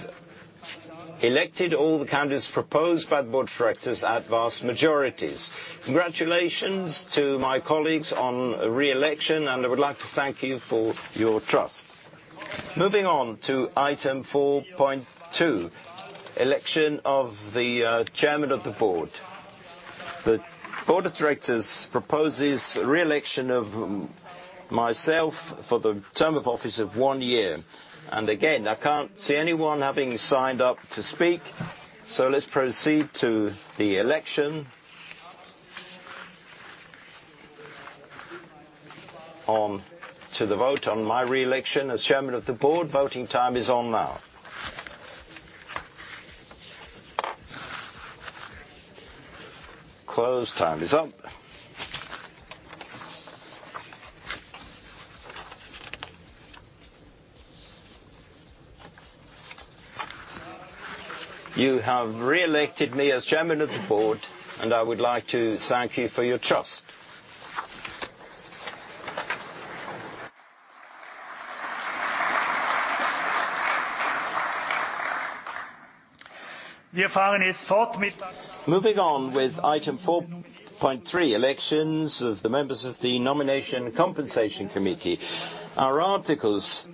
elected all the candidates proposed by the board of directors at vast majorities. Congratulations to my colleagues on re-election. I would like to thank you for your trust. Moving on to item 4.2, election of the chairman of the board. The board of directors proposes re-election of myself for the term of office of one year. Again, I can't see anyone having signed up to speak. Let's proceed to the election. On to the vote on my re-election as chairman of the board. Voting time is on now. Closed. Time is up. You have re-elected me as chairman of the board. I would like to thank you for your trust. Moving on with item 4.3, elections of the members of the Nomination and Compensation Committee. Our articles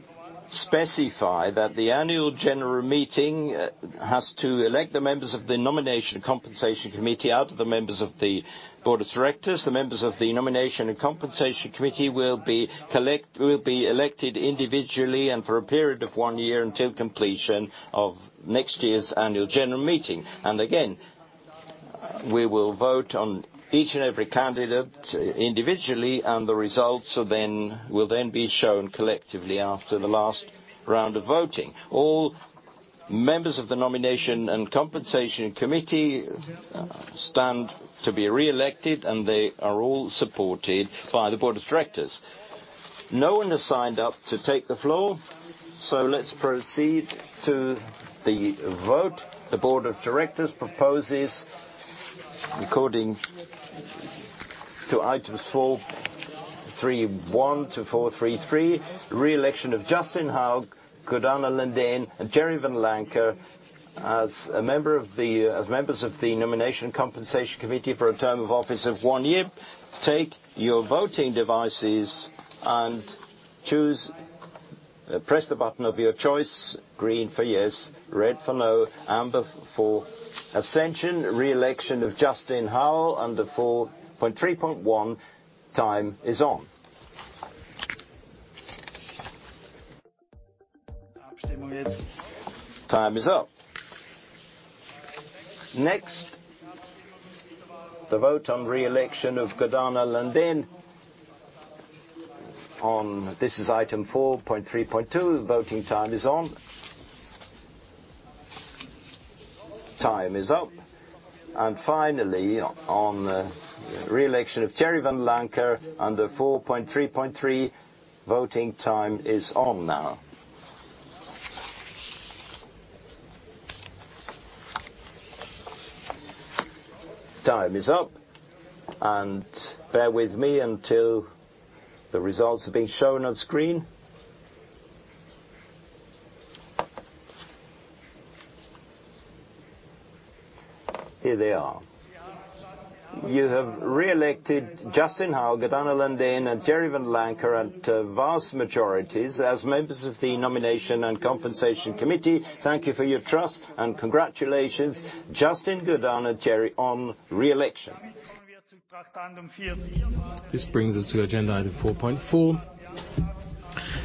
specify that the annual general meeting has to elect the members of the nomination and compensation committee out of the members of the board of directors. The members of the nomination and compensation committee will be elected individually and for a period of one year until completion of next year's annual general meeting. Again, we will vote on each and every candidate individually, and the results will then be shown collectively after the last round of voting. All members of the nomination and compensation committee stand to be re-elected, and they are all supported by the board of directors. No one has signed up to take the floor, let's proceed to the vote. The board of directors proposes, according to items 431 to 433, re-election of Justin Howell, Gordana Landén, and Thierry F.J. Vanlancker as members of the Nomination and Compensation Committee for a term of office of one year. Take your voting devices and choose. Press the button of your choice. Green for yes, red for no, amber for abstention. Re-election of Justin Howell under 4.3.1. Time is on. Time is up. Next, the vote on re-election of Gordana Landén. This is item 4.3.2. Voting time is on. Time is up. Finally, on the re-election of Thierry F.J. Vanlancker under 4.3.3. Voting time is on now. Time is up. Bear with me until the results are being shown on screen. Here they are. You have re-elected Justin M. Howell, Gordana Landén, and Thierry F.J. Vanlancker at vast majorities as members of the nomination and compensation committee. Thank you for your trust, congratulations, Justin, Gordana, Jerry, on re-election. This brings us to agenda item 4.4, election of statutory auditors.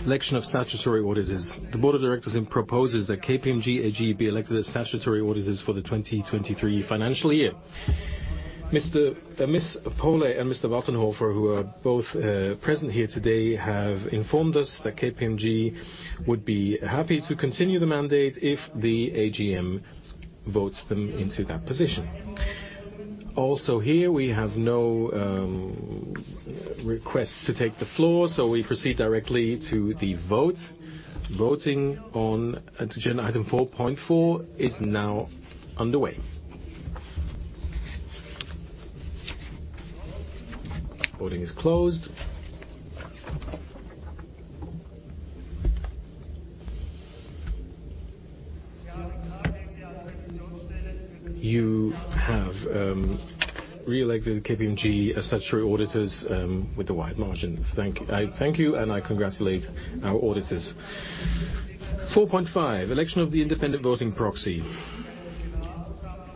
The board of directors proposes that KPMG AG be elected as statutory auditors for the 2023 financial year. Ms. Pohle and Mr. Wattenhofer, who are both present here today, have informed us that KPMG would be happy to continue the mandate if the AGM votes them into that position. Also here, we have no requests to take the floor, we proceed directly to the vote. Voting on agenda item 4.4 is now underway. Voting is closed. You have re-elected KPMG as statutory auditors with a wide margin. Thank. I thank you, and I congratulate our auditors. 4.5, election of the independent voting proxy.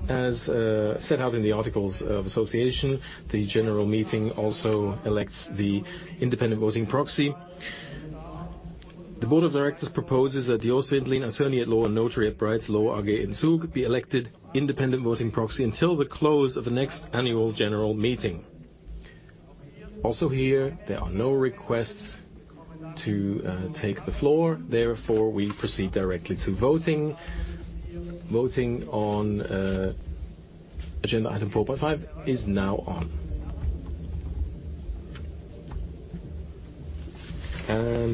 As set out in the articles of association, the general meeting also elects the independent voting proxy. The board of directors proposes that Jost Windlin, attorney at law and notary at Bright Law AG in Zug, be elected independent voting proxy until the close of the next annual general meeting. Here, there are no requests to take the floor. We proceed directly to voting. Voting on agenda item 4.5 is now on.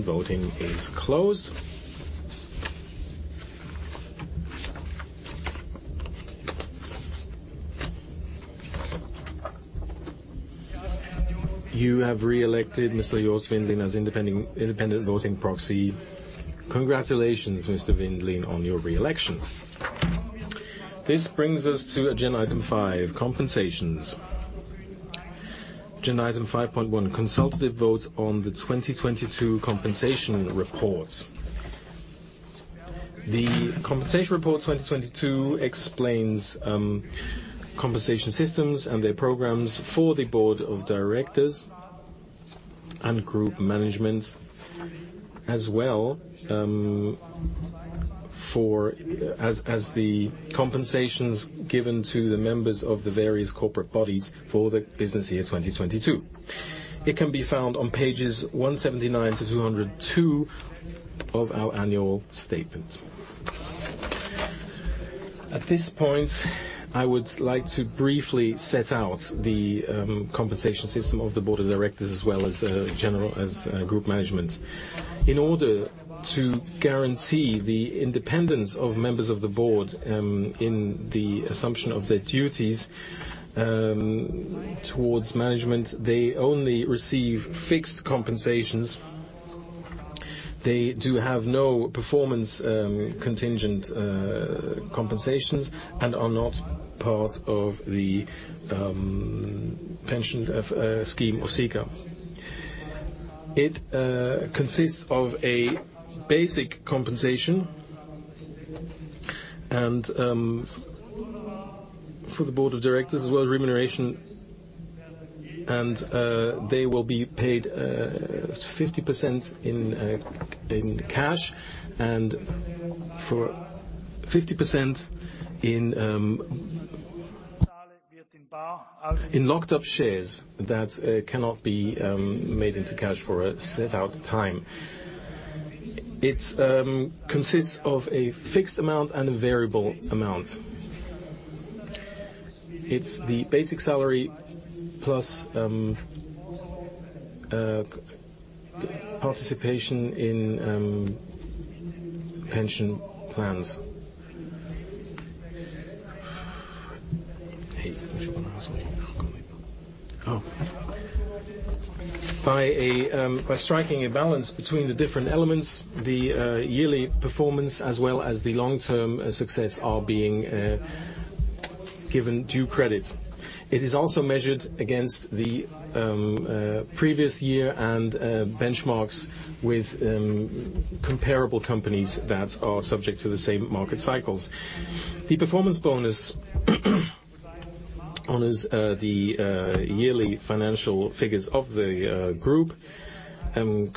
Voting is closed. You have reelected Mr. Jost Windlin as independent voting proxy. Congratulations, Mr. Windlin, on your reelection. This brings us to agenda item five: compensations. Agenda item 5.1, consultative vote on the 2022 compensation report. The compensation report 2022 explains compensation systems and their programs for the board of directors and group management, as well as the compensations given to the members of the various corporate bodies for the business year 2022. It can be found on pages 179 to 202 of our annual statement. At this point, I would like to briefly set out the compensation system of the board of directors as well as group management. In order to guarantee the independence of members of the board, in the assumption of their duties, towards management, they only receive fixed compensations. They do have no performance contingent compensations and are not part of the pension scheme of Sika. It consists of a basic compensation and for the board of directors as well as remuneration, and they will be paid 50% in cash and for 50% in locked up shares that cannot be made into cash for a set out time. It consists of a fixed amount and a variable amount. It's the basic salary plus, participation in, pension plans. Hey. By striking a balance between the different elements, the yearly performance as well as the long-term success are being given due credit. It is also measured against the previous year and benchmarks with comparable companies that are subject to the same market cycles. The performance bonus honors the yearly financial figures of the group and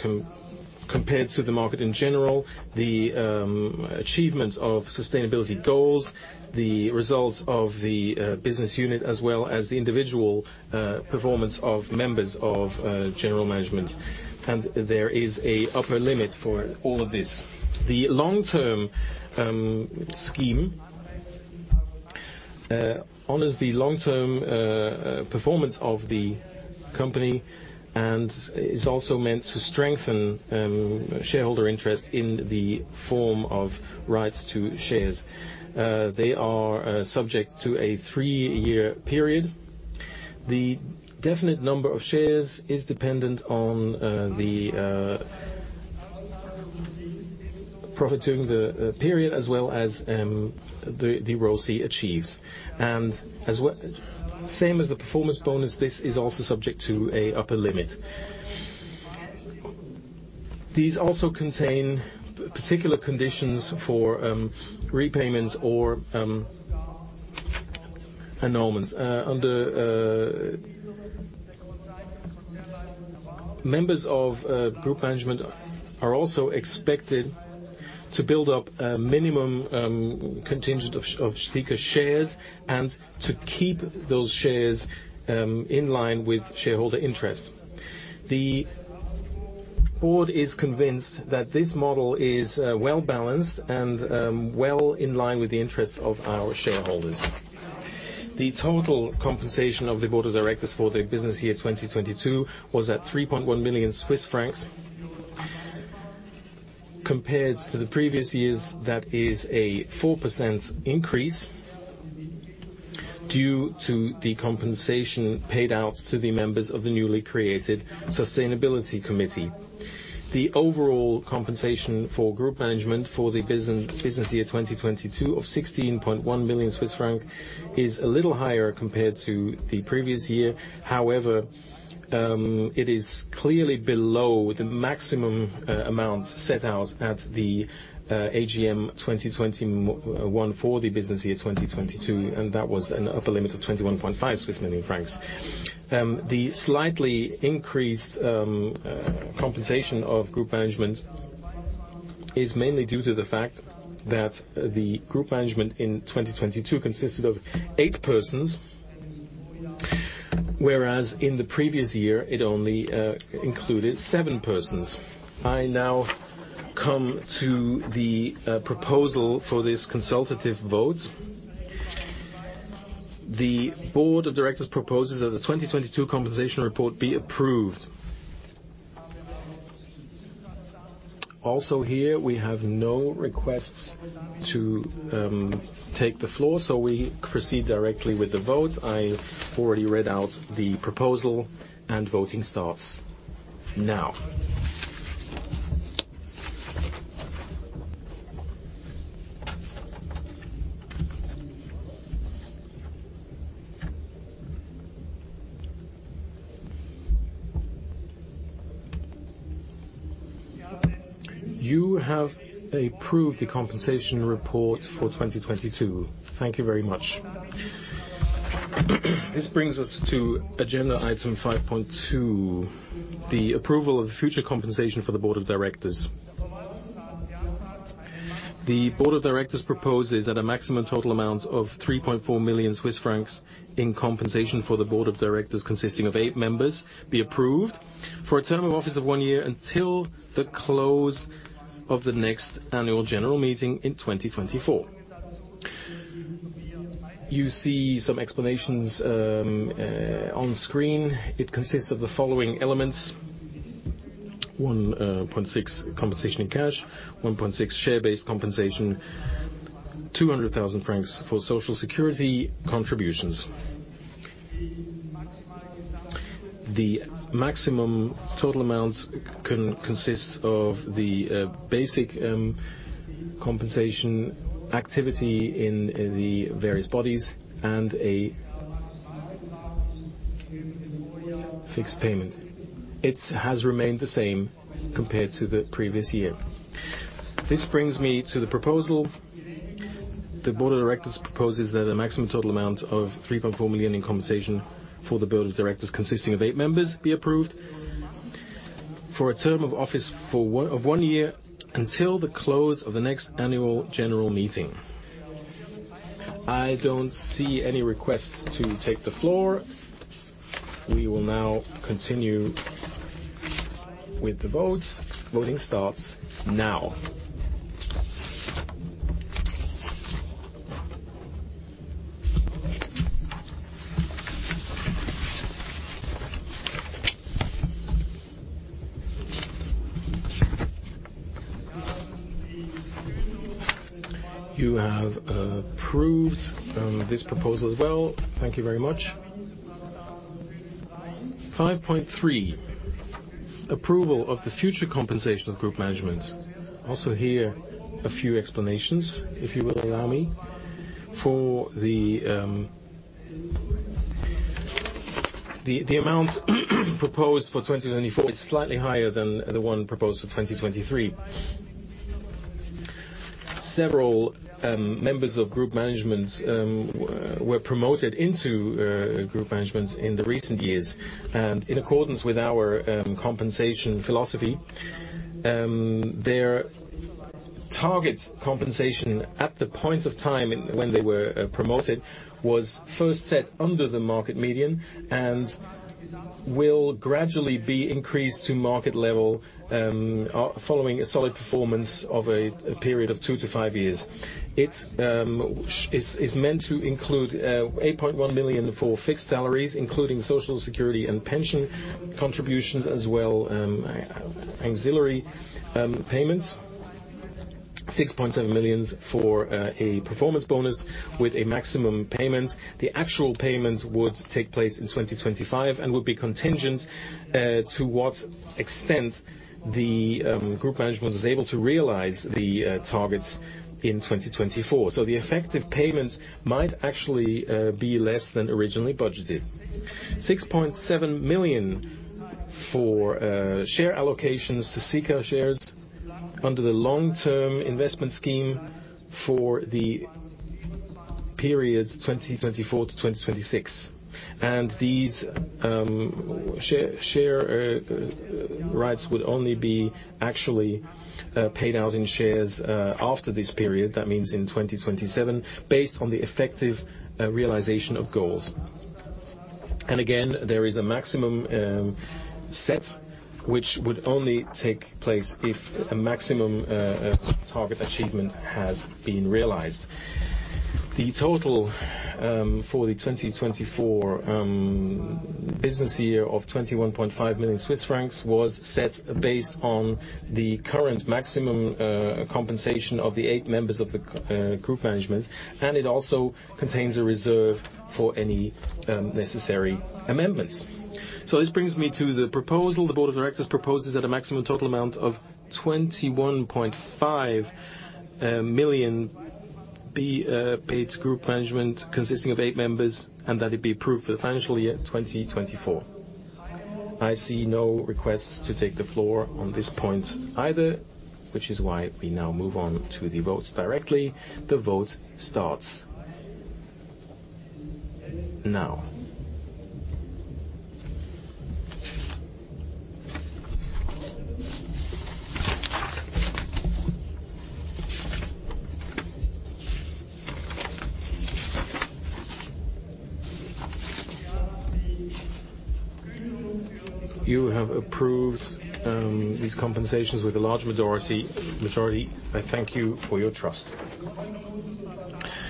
compared to the market in general, the achievements of sustainability goals, the results of the business unit, as well as the individual performance of members of general management. There is a upper limit for all of this. The long-term scheme honors the long-term performance of the company and is also meant to strengthen shareholder interest in the form of rights to shares. They are subject to a three-year period. The definite number of shares is dependent on the profit during the period as well as the roles he achieves. Same as the performance bonus, this is also subject to a upper limit. These also contain particular conditions for repayments or annulments. Under Members of group management are also expected to build up a minimum contingent of Sika shares and to keep those shares in line with shareholder interest. The board is convinced that this model is well-balanced and well in line with the interests of our shareholders. The total compensation of the board of directors for the business year 2022 was at 3.1 million Swiss francs. Compared to the previous years, that is a 4% increase due to the compensation paid out to the members of the newly created Sustainability Committee. The overall compensation for group management for the business year 2022 of 16.1 million Swiss francs is a little higher compared to the previous year. It is clearly below the maximum amount set out at the AGM 2021 for the business year 2022, and that was an upper limit of 21.5 million francs. The slightly increased compensation of group management is mainly due to the fact that the group management in 2022 consisted of eight persons, whereas in the previous year, it only included seven persons. I now come to the proposal for this consultative vote. The board of directors proposes that the 2022 compensation report be approved. Here we have no requests to take the floor, so we proceed directly with the vote. I already read out the proposal, and voting starts now. You have approved the compensation report for 2022. Thank you very much. This brings us to agenda item 5.2, the approval of future compensation for the board of directors. The board of directors proposes that a maximum total amount of 3.4 million Swiss francs in compensation for the board of directors, consisting of eight members, be approved for a term of office of one year until the close of the next annual general meeting in 2024. You see some explanations on screen. It consists of the following elements: 1.6 compensation in cash, 1.6 share-based compensation, 200,000 francs for social security contributions. The maximum total amount consists of the basic compensation activity in the various bodies and a fixed payment. It has remained the same compared to the previous year. This brings me to the proposal. The board of directors proposes that a maximum total amount of 3.4 million in compensation for the board of directors, consisting of eight members, be approved for a term of office of one year until the close of the next annual general meeting. I don't see any requests to take the floor. We will now continue with the votes. Voting starts now. You have approved this proposal as well. Thank you very much. 5.3, approval of the future compensation of Group Management. Here, a few explanations, if you will allow me. The amount proposed for 2024 is slightly higher than the one proposed for 2023. Several members of Group Management were promoted into Group Management in the recent years. In accordance with our compensation philosophy, their target compensation at the point of time when they were promoted was first set under the market median and will gradually be increased to market level, following a solid performance of a period of two to five years. It is meant to include 8.1 million for fixed salaries, including Social Security and pension contributions, as well, auxiliary payments, 6.7 million for a performance bonus with a maximum payment. The actual payment would take place in 2025 and would be contingent to what extent the group management is able to realize the targets in 2024. The effective payment might actually be less than originally budgeted. 6.7 million for share allocations to Sika shares under the long-term investment scheme for the periods 2024 to 2026. These share rights would only be actually paid out in shares after this period, that means in 2027, based on the effective realization of goals. Again, there is a maximum set which would only take place if a maximum target achievement has been realized. The total for the 2024 business year of 21.5 million Swiss francs was set based on the current maximum compensation of the eight members of the group management, and it also contains a reserve for any necessary amendments. This brings me to the proposal. The board of directors proposes that a maximum total amount of 21.5 million be paid to group management consisting of eight members, and that it be approved for the financial year 2024. I see no requests to take the floor on this point either, which is why we now move on to the votes directly. The vote starts now. You have approved these compensations with a large majority. I thank you for your trust.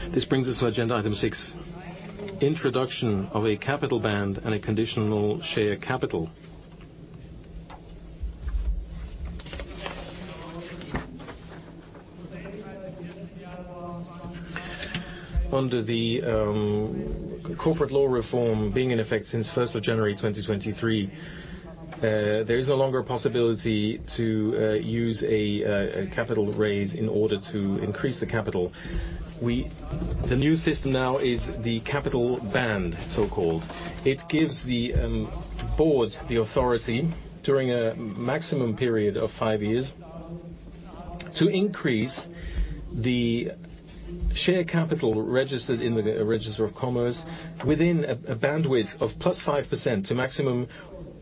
This brings us to agenda item six, introduction of a capital band and a conditional share capital. Under the corporate law reform being in effect since 1st of January, 2023, there is no longer a possibility to use a capital raise in order to increase the capital. The new system now is the capital band, so-called. It gives the board the authority during a maximum period of five years to increase the share capital registered in the register of commerce within a bandwidth of +5% to maximum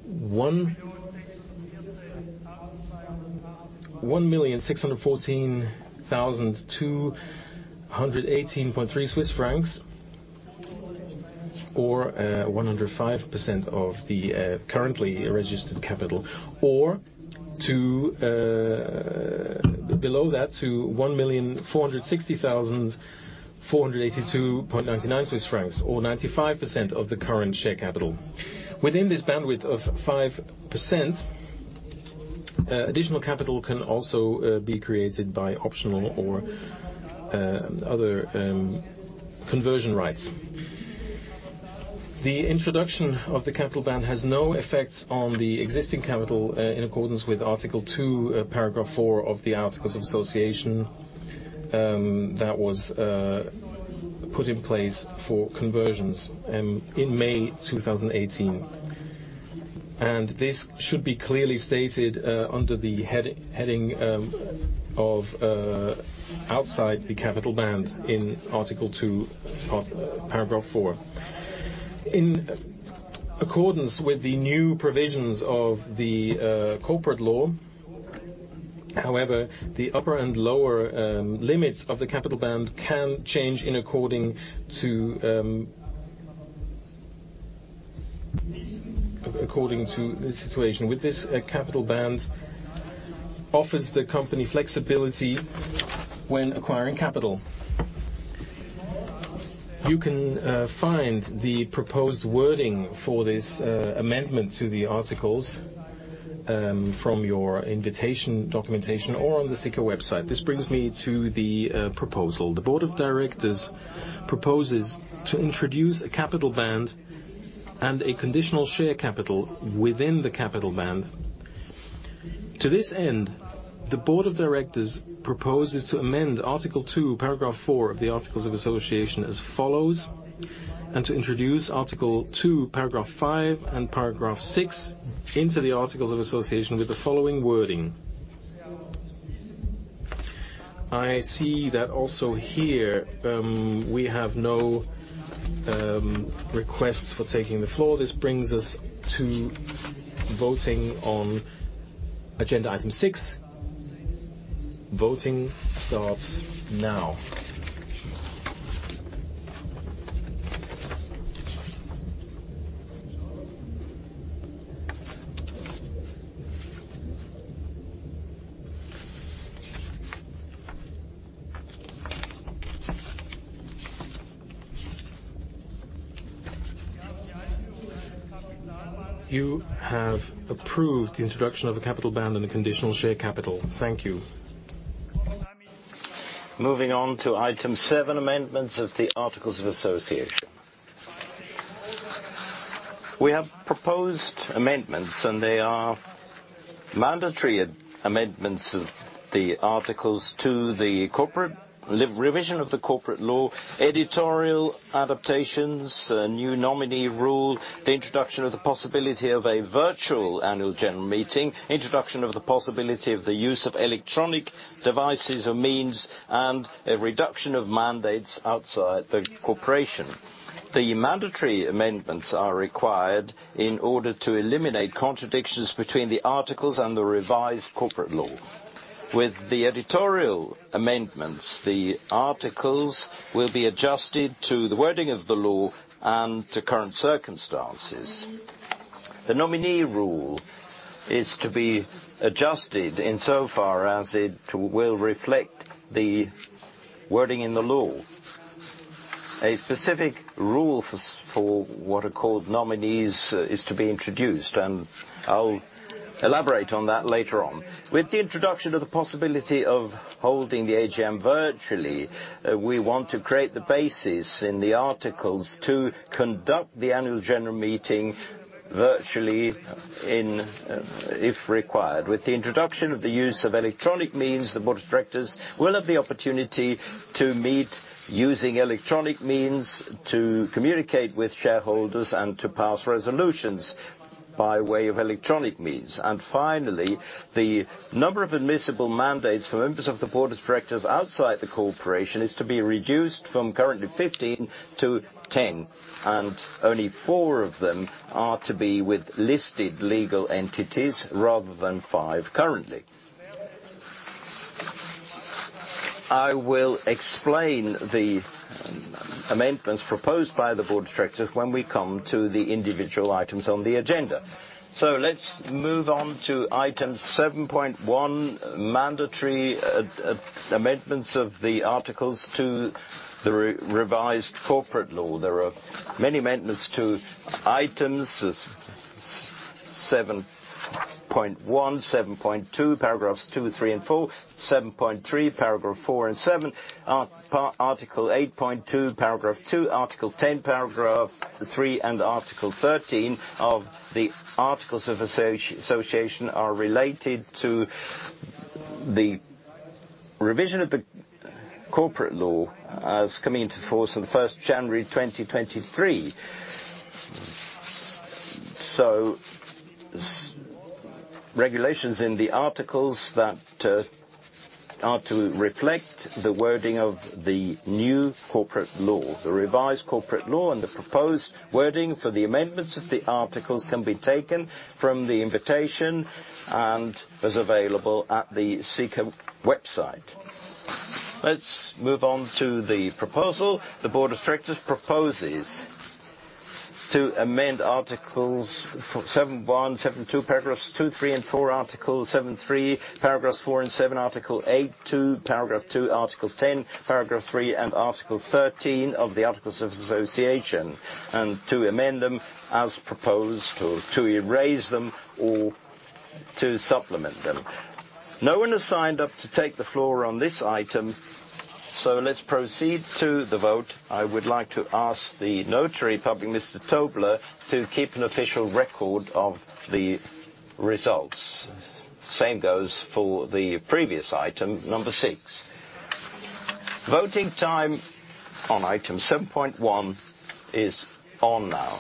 1,614,218.3 Swiss francs, or 105% of the currently registered capital, or to below that to 1,460,482.99 Swiss francs, or 95% of the current share capital. Within this bandwidth of 5%, additional capital can also be created by optional or other conversion rights. The introduction of the capital band has no effects on the existing capital in accordance with Article II, Paragraph four of the Articles of Association, that was put in place for conversions in May 2018. This should be clearly stated under the head-heading of outside the capital band in Article II of Paragraph four. In accordance with the new provisions of the corporate law, however, the upper and lower limits of the capital band can change according to the situation. With this, a capital band offers the company flexibility when acquiring capital. You can find the proposed wording for this amendment to the articles from your invitation documentation or on the Sika website. This brings me to the proposal. The board of directors proposes to introduce a capital band and a conditional share capital within the capital band. To this end, the board of directors proposes to amend Article II, Paragraph four of the Articles of Association as follows, and to introduce Article II, Paragraph five and Paragraph six into the Articles of Association with the following wording. I see that also here, we have no requests for taking the floor. This brings us to voting on agenda item six. Voting starts now. You have approved the introduction of a capital band and a conditional share capital. Thank you. Moving on to item seven amendments of the Articles of Association. We have proposed amendments, they are mandatory amendments of the articles to the revision of the corporate law, editorial adaptations, a new nominee rule, the introduction of the possibility of a virtual annual general meeting, introduction of the possibility of the use of electronic devices or means, and a reduction of mandates outside the corporation. The mandatory amendments are required in order to eliminate contradictions between the articles and the revised corporate law. With the editorial amendments, the articles will be adjusted to the wording of the law and to current circumstances. The nominee rule is to be adjusted insofar as it will reflect the wording in the law. A specific rule for what are called nominees is to be introduced, I'll elaborate on that later on. With the introduction of the possibility of holding the AGM virtually, we want to create the basis in the articles to conduct the annual general meeting virtually in if required. With the introduction of the use of electronic means, the board of directors will have the opportunity to meet using electronic means to communicate with shareholders and to pass resolutions by way of electronic means. Finally, the number of admissible mandates for members of the board of directors outside the corporation is to be reduced from currently 15 to 10, and only four of them are to be with listed legal entities rather than five currently. I will explain the amendments proposed by the board of directors when we come to the individual items on the agenda. Let's move on to item 7.1, mandatory amendments of the articles to the re-revised corporate law. There are many amendments to items 7.1, 7.2, paragraphs two, three, and 4. 7.3, paragraph four and seven. Article 8.2, paragraph two. Article 10, paragraph three, and Article 13 of the articles of association are related to the revision of the corporate law as coming into force on 1st of January 2023. Regulations in the articles that are to reflect the wording of the new corporate law, the revised corporate law, and the proposed wording for the amendments of the articles can be taken from the invitation and is available at the Sika website. Let's move on to the proposal. The board of directors proposes to amend articles 71, 72, paragraphs two, three, and four, article 73, paragraphs four and seven, article 82, paragraph two, article 10, paragraph three, and article 13 of the articles of association and to amend them as proposed, or to erase them, or to supplement them. No one has signed up to take the floor on this item, so let's proceed to the vote. I would like to ask the Notary Public, Mr. Tobler, to keep an official record of the results. Same goes for the previous item, number six. Voting time on item 7.1 is on now.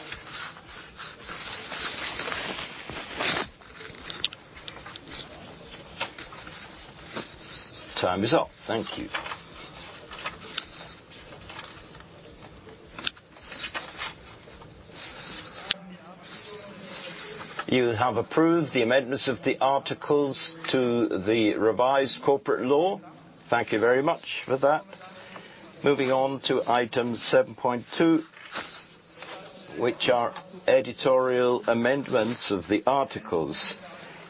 Time is up. Thank you. You have approved the amendments of the articles to the revised corporate law. Thank you very much for that. Moving on to item 7.2, which are editorial amendments of the articles.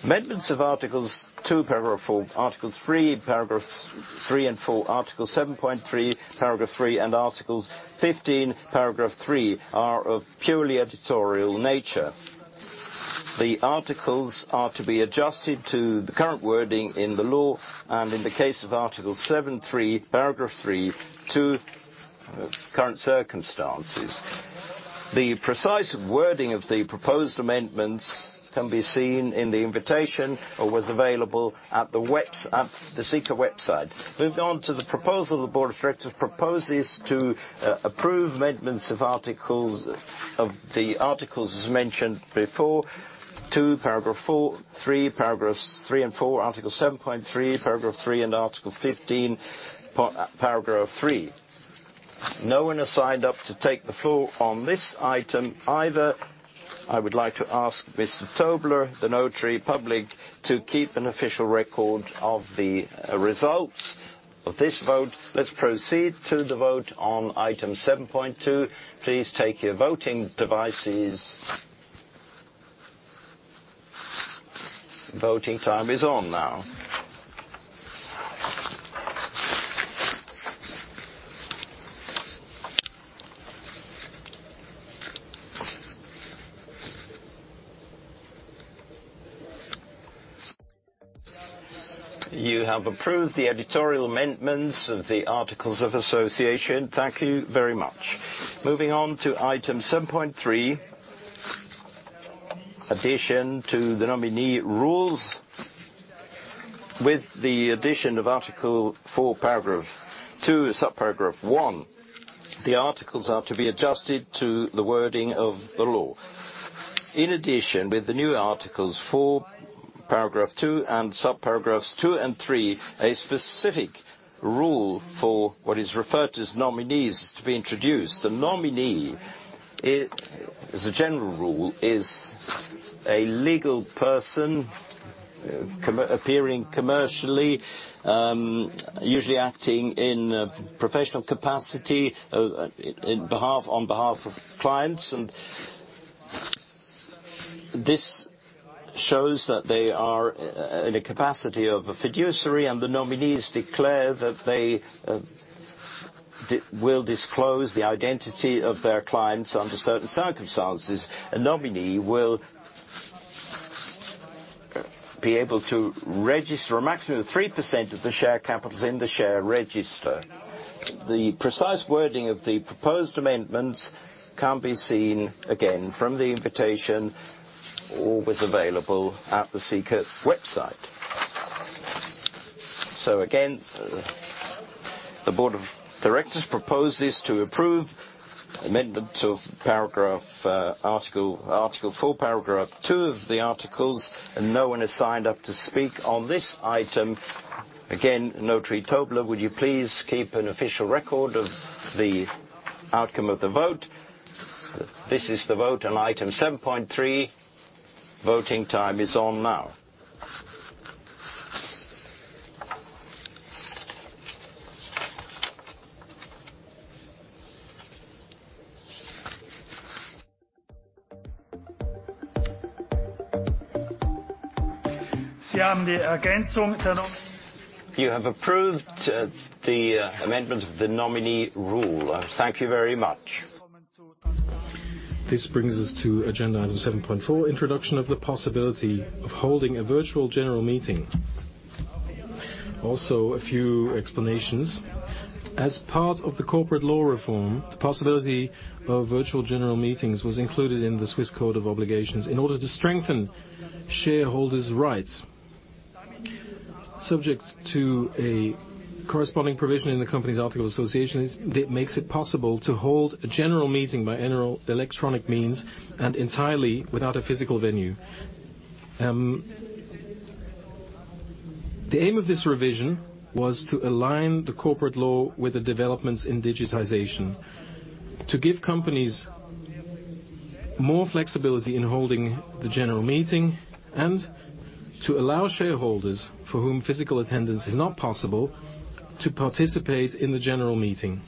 Amendments of articles II, paragraph four, article III, paragraphs three and four, article 7.3, paragraph three, and articles 15, paragraph three, are of purely editorial nature. The articles are to be adjusted to the current wording in the law and in the case of article 7.3, paragraph three, to current circumstances. The precise wording of the proposed amendments can be seen in the invitation or was available at the Sika website. Moving on to the proposal. The board of directors proposes to approve amendments of the articles, as mentioned before, two, paragraph four, three, paragraphs three and four, article 7.3, paragraph three, and article 15, paragraph three. No one has signed up to take the floor on this item either. I would like to ask Mr. Tobler, the Notary Public, to keep an official record of the results of this vote. Let's proceed to the vote on item 7.2. Please take your voting devices. Voting time is on now. You have approved the editorial amendments of the articles of association. Thank you very much. Moving on to item 7.3, addition to the nominee rules. With the addition of Article IV, Paragraph two, Subparagraph one, the articles are to be adjusted to the wording of the law. In addition, with the new Articles IV, Paragraph two, and Subparagraphs two and three, a specific rule for what is referred to as nominees is to be introduced. The nominee as a general rule, is a legal person appearing commercially, usually acting in a professional capacity on behalf of clients. This shows that they are in a capacity of a fiduciary, and the nominees declare that they will disclose the identity of their clients under certain circumstances. A nominee will be able to register a maximum of 3% of the share capitals in the share register. The precise wording of the proposed amendments can be seen again from the invitation or was available at the Sika website. Again, the board of directors proposes to approve amendment of paragraph, article IV, paragraph two of the articles, and no one has signed up to speak on this item. Again, Notary Tobler, would you please keep an official record of the outcome of the vote? This is the vote on item 7.3. Voting time is on now. You have approved the amendment of the nominee rule. Thank you very much. This brings us to agenda item 7.4, introduction of the possibility of holding a virtual general meeting. A few explanations. As part of the corporate law reform, the possibility of virtual general meetings was included in the Swiss Code of Obligations in order to strengthen shareholders' rights. Subject to a corresponding provision in the company's articles of association that makes it possible to hold a general meeting by general electronic means and entirely without a physical venue. The aim of this revision was to align the corporate law with the developments in digitization. To give companies more flexibility in holding the general meeting and to allow shareholders for whom physical attendance is not possible to participate in the general meeting.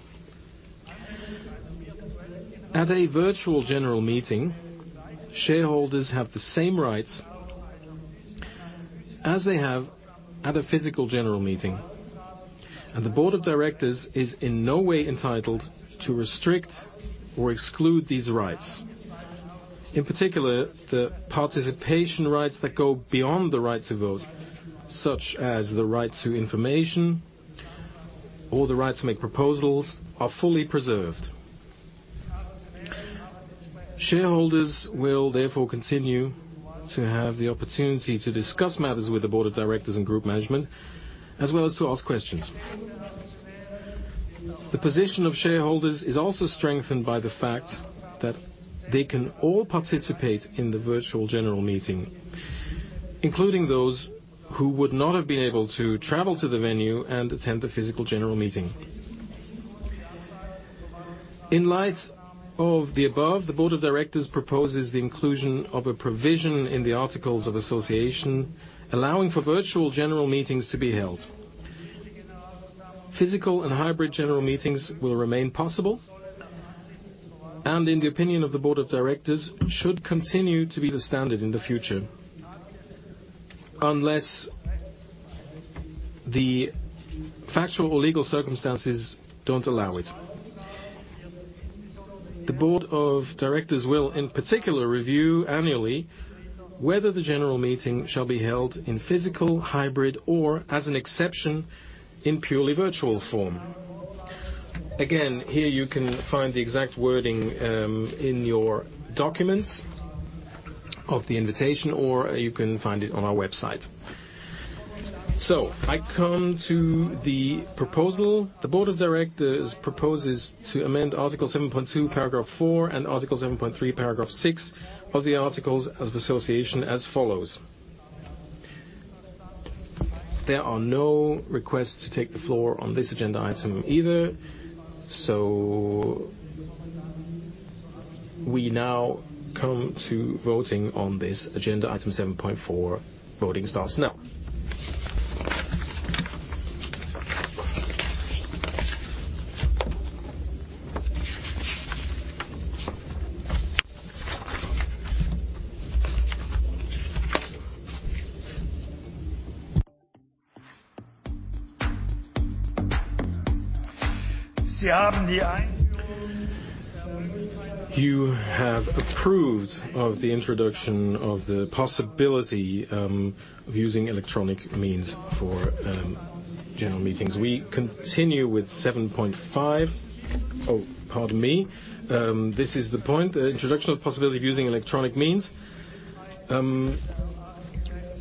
At a virtual general meeting, shareholders have the same rights as they have at a physical general meeting, and the board of directors is in no way entitled to restrict or exclude these rights. In particular, the participation rights that go beyond the right to vote, such as the right to information or the right to make proposals, are fully preserved. Shareholders will therefore continue to have the opportunity to discuss matters with the board of directors and group management, as well as to ask questions. The position of shareholders is also strengthened by the fact that they can all participate in the virtual general meeting, including those who would not have been able to travel to the venue and attend the physical general meeting. In light of the above, the board of directors proposes the inclusion of a provision in the articles of association, allowing for virtual general meetings to be held. Physical and hybrid general meetings will remain possible and in the opinion of the board of directors, should continue to be the standard in the future, unless the factual or legal circumstances don't allow it. The board of directors will in particular review annually whether the general meeting shall be held in physical, hybrid or as an exception in purely virtual form. Again, here you can find the exact wording in your documents of the invitation, or you can find it on our website. I come to the proposal. The board of directors proposes to amend Article 7.2, paragraph four, and Article 7.3, paragraph six of the articles of association as follows. There are no requests to take the floor on this agenda item either. We now come to voting on this agenda item 7.4. Voting starts now. You have approved of the introduction of the possibility of using electronic means for general meetings. We continue with 7.5. Pardon me. This is the point. The introduction of possibility of using electronic means.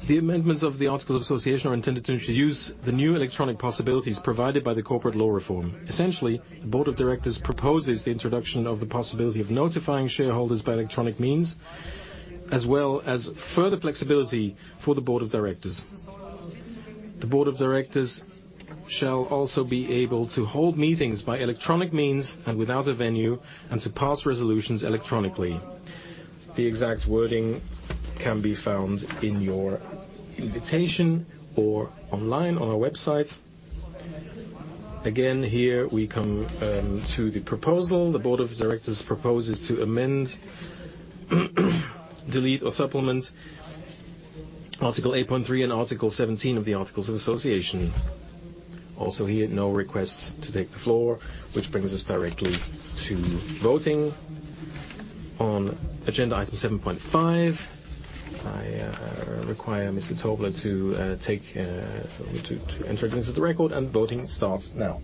The amendments of the articles of association are intended to introduce the new electronic possibilities provided by the corporate law reform. Essentially, the board of directors proposes the introduction of the possibility of notifying shareholders by electronic means, as well as further flexibility for the board of directors. The board of directors shall also be able to hold meetings by electronic means and without a venue, and to pass resolutions electronically. The exact wording can be found in your invitation or online on our website. Again, here we come to the proposal. The Board of Directors proposes to amend, delete or supplement Article 8.3 and Article 17 of the Articles of Association. Also here, no requests to take the floor, which brings us directly to voting on Agenda Item 7.5. I require Mr. Tobler to enter into the record, and voting starts now.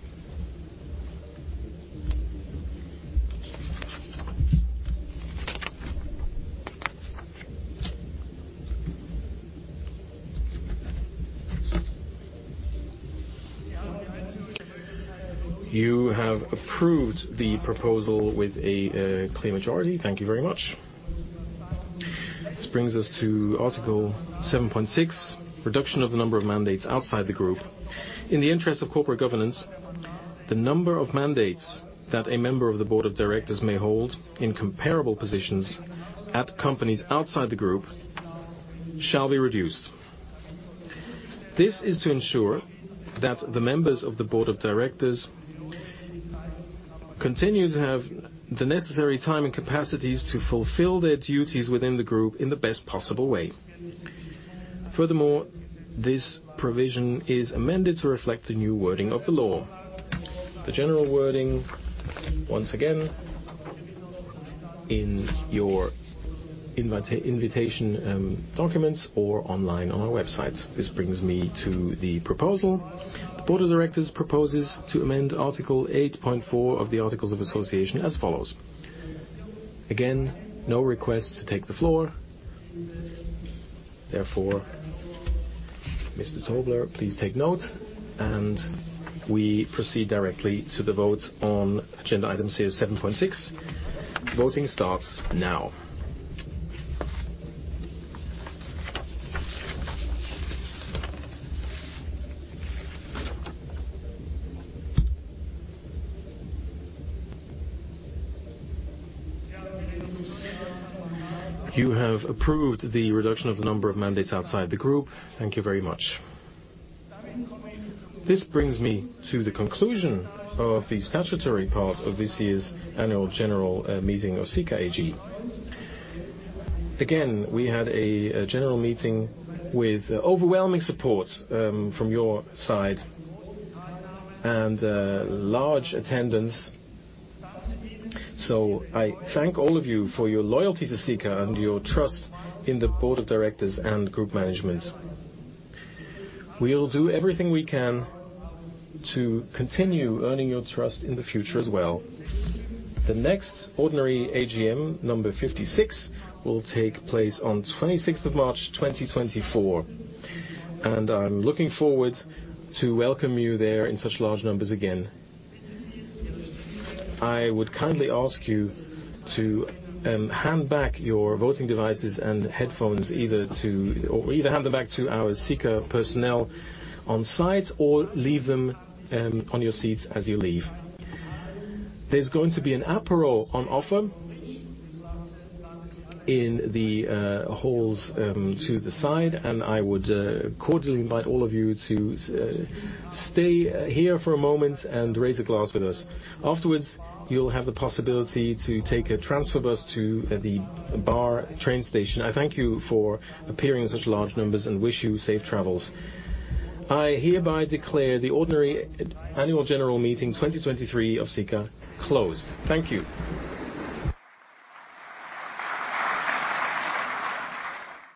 You have approved the proposal with a clear majority. Thank you very much. This brings us to Article 7.6, reduction of the number of mandates outside the group. In the interest of corporate governance, the number of mandates that a member of the Board of Directors may hold in comparable positions at companies outside the group shall be reduced. This is to ensure that the members of the board of directors continue to have the necessary time and capacities to fulfill their duties within the group in the best possible way. This provision is amended to reflect the new wording of the law. The general wording, once again, in your invitation documents or online on our website. This brings me to the proposal. The board of directors proposes to amend Article 8.4 of the Articles of Association as follows. Again, no request to take the floor. Mr. Tobler, please take note, and we proceed directly to the vote on agenda item CS 7.6. Voting starts now. You have approved the reduction of the number of mandates outside the group. Thank you very much. This brings me to the conclusion of the statutory part of this year's annual general meeting of Sika AG. Again, we had a general meeting with overwhelming support from your side and large attendance. I thank all of you for your loyalty to Sika and your trust in the board of directors and group management. We'll do everything we can to continue earning your trust in the future as well. The next ordinary AGM number 56 will take place on 26th of March, 2024. I'm looking forward to welcome you there in such large numbers again. I would kindly ask you to hand back your voting devices and headphones either to or hand them back to our Sika personnel on site or leave them on your seats as you leave. There's going to be an aperol on offer in the halls to the side, and I would cordially invite all of you to stay here for a moment and raise a glass with us. Afterwards, you'll have the possibility to take a transfer bus to the Baar train station. I thank you for appearing in such large numbers and wish you safe travels. I hereby declare the ordinary annual general meeting 2023 of Sika closed. Thank you.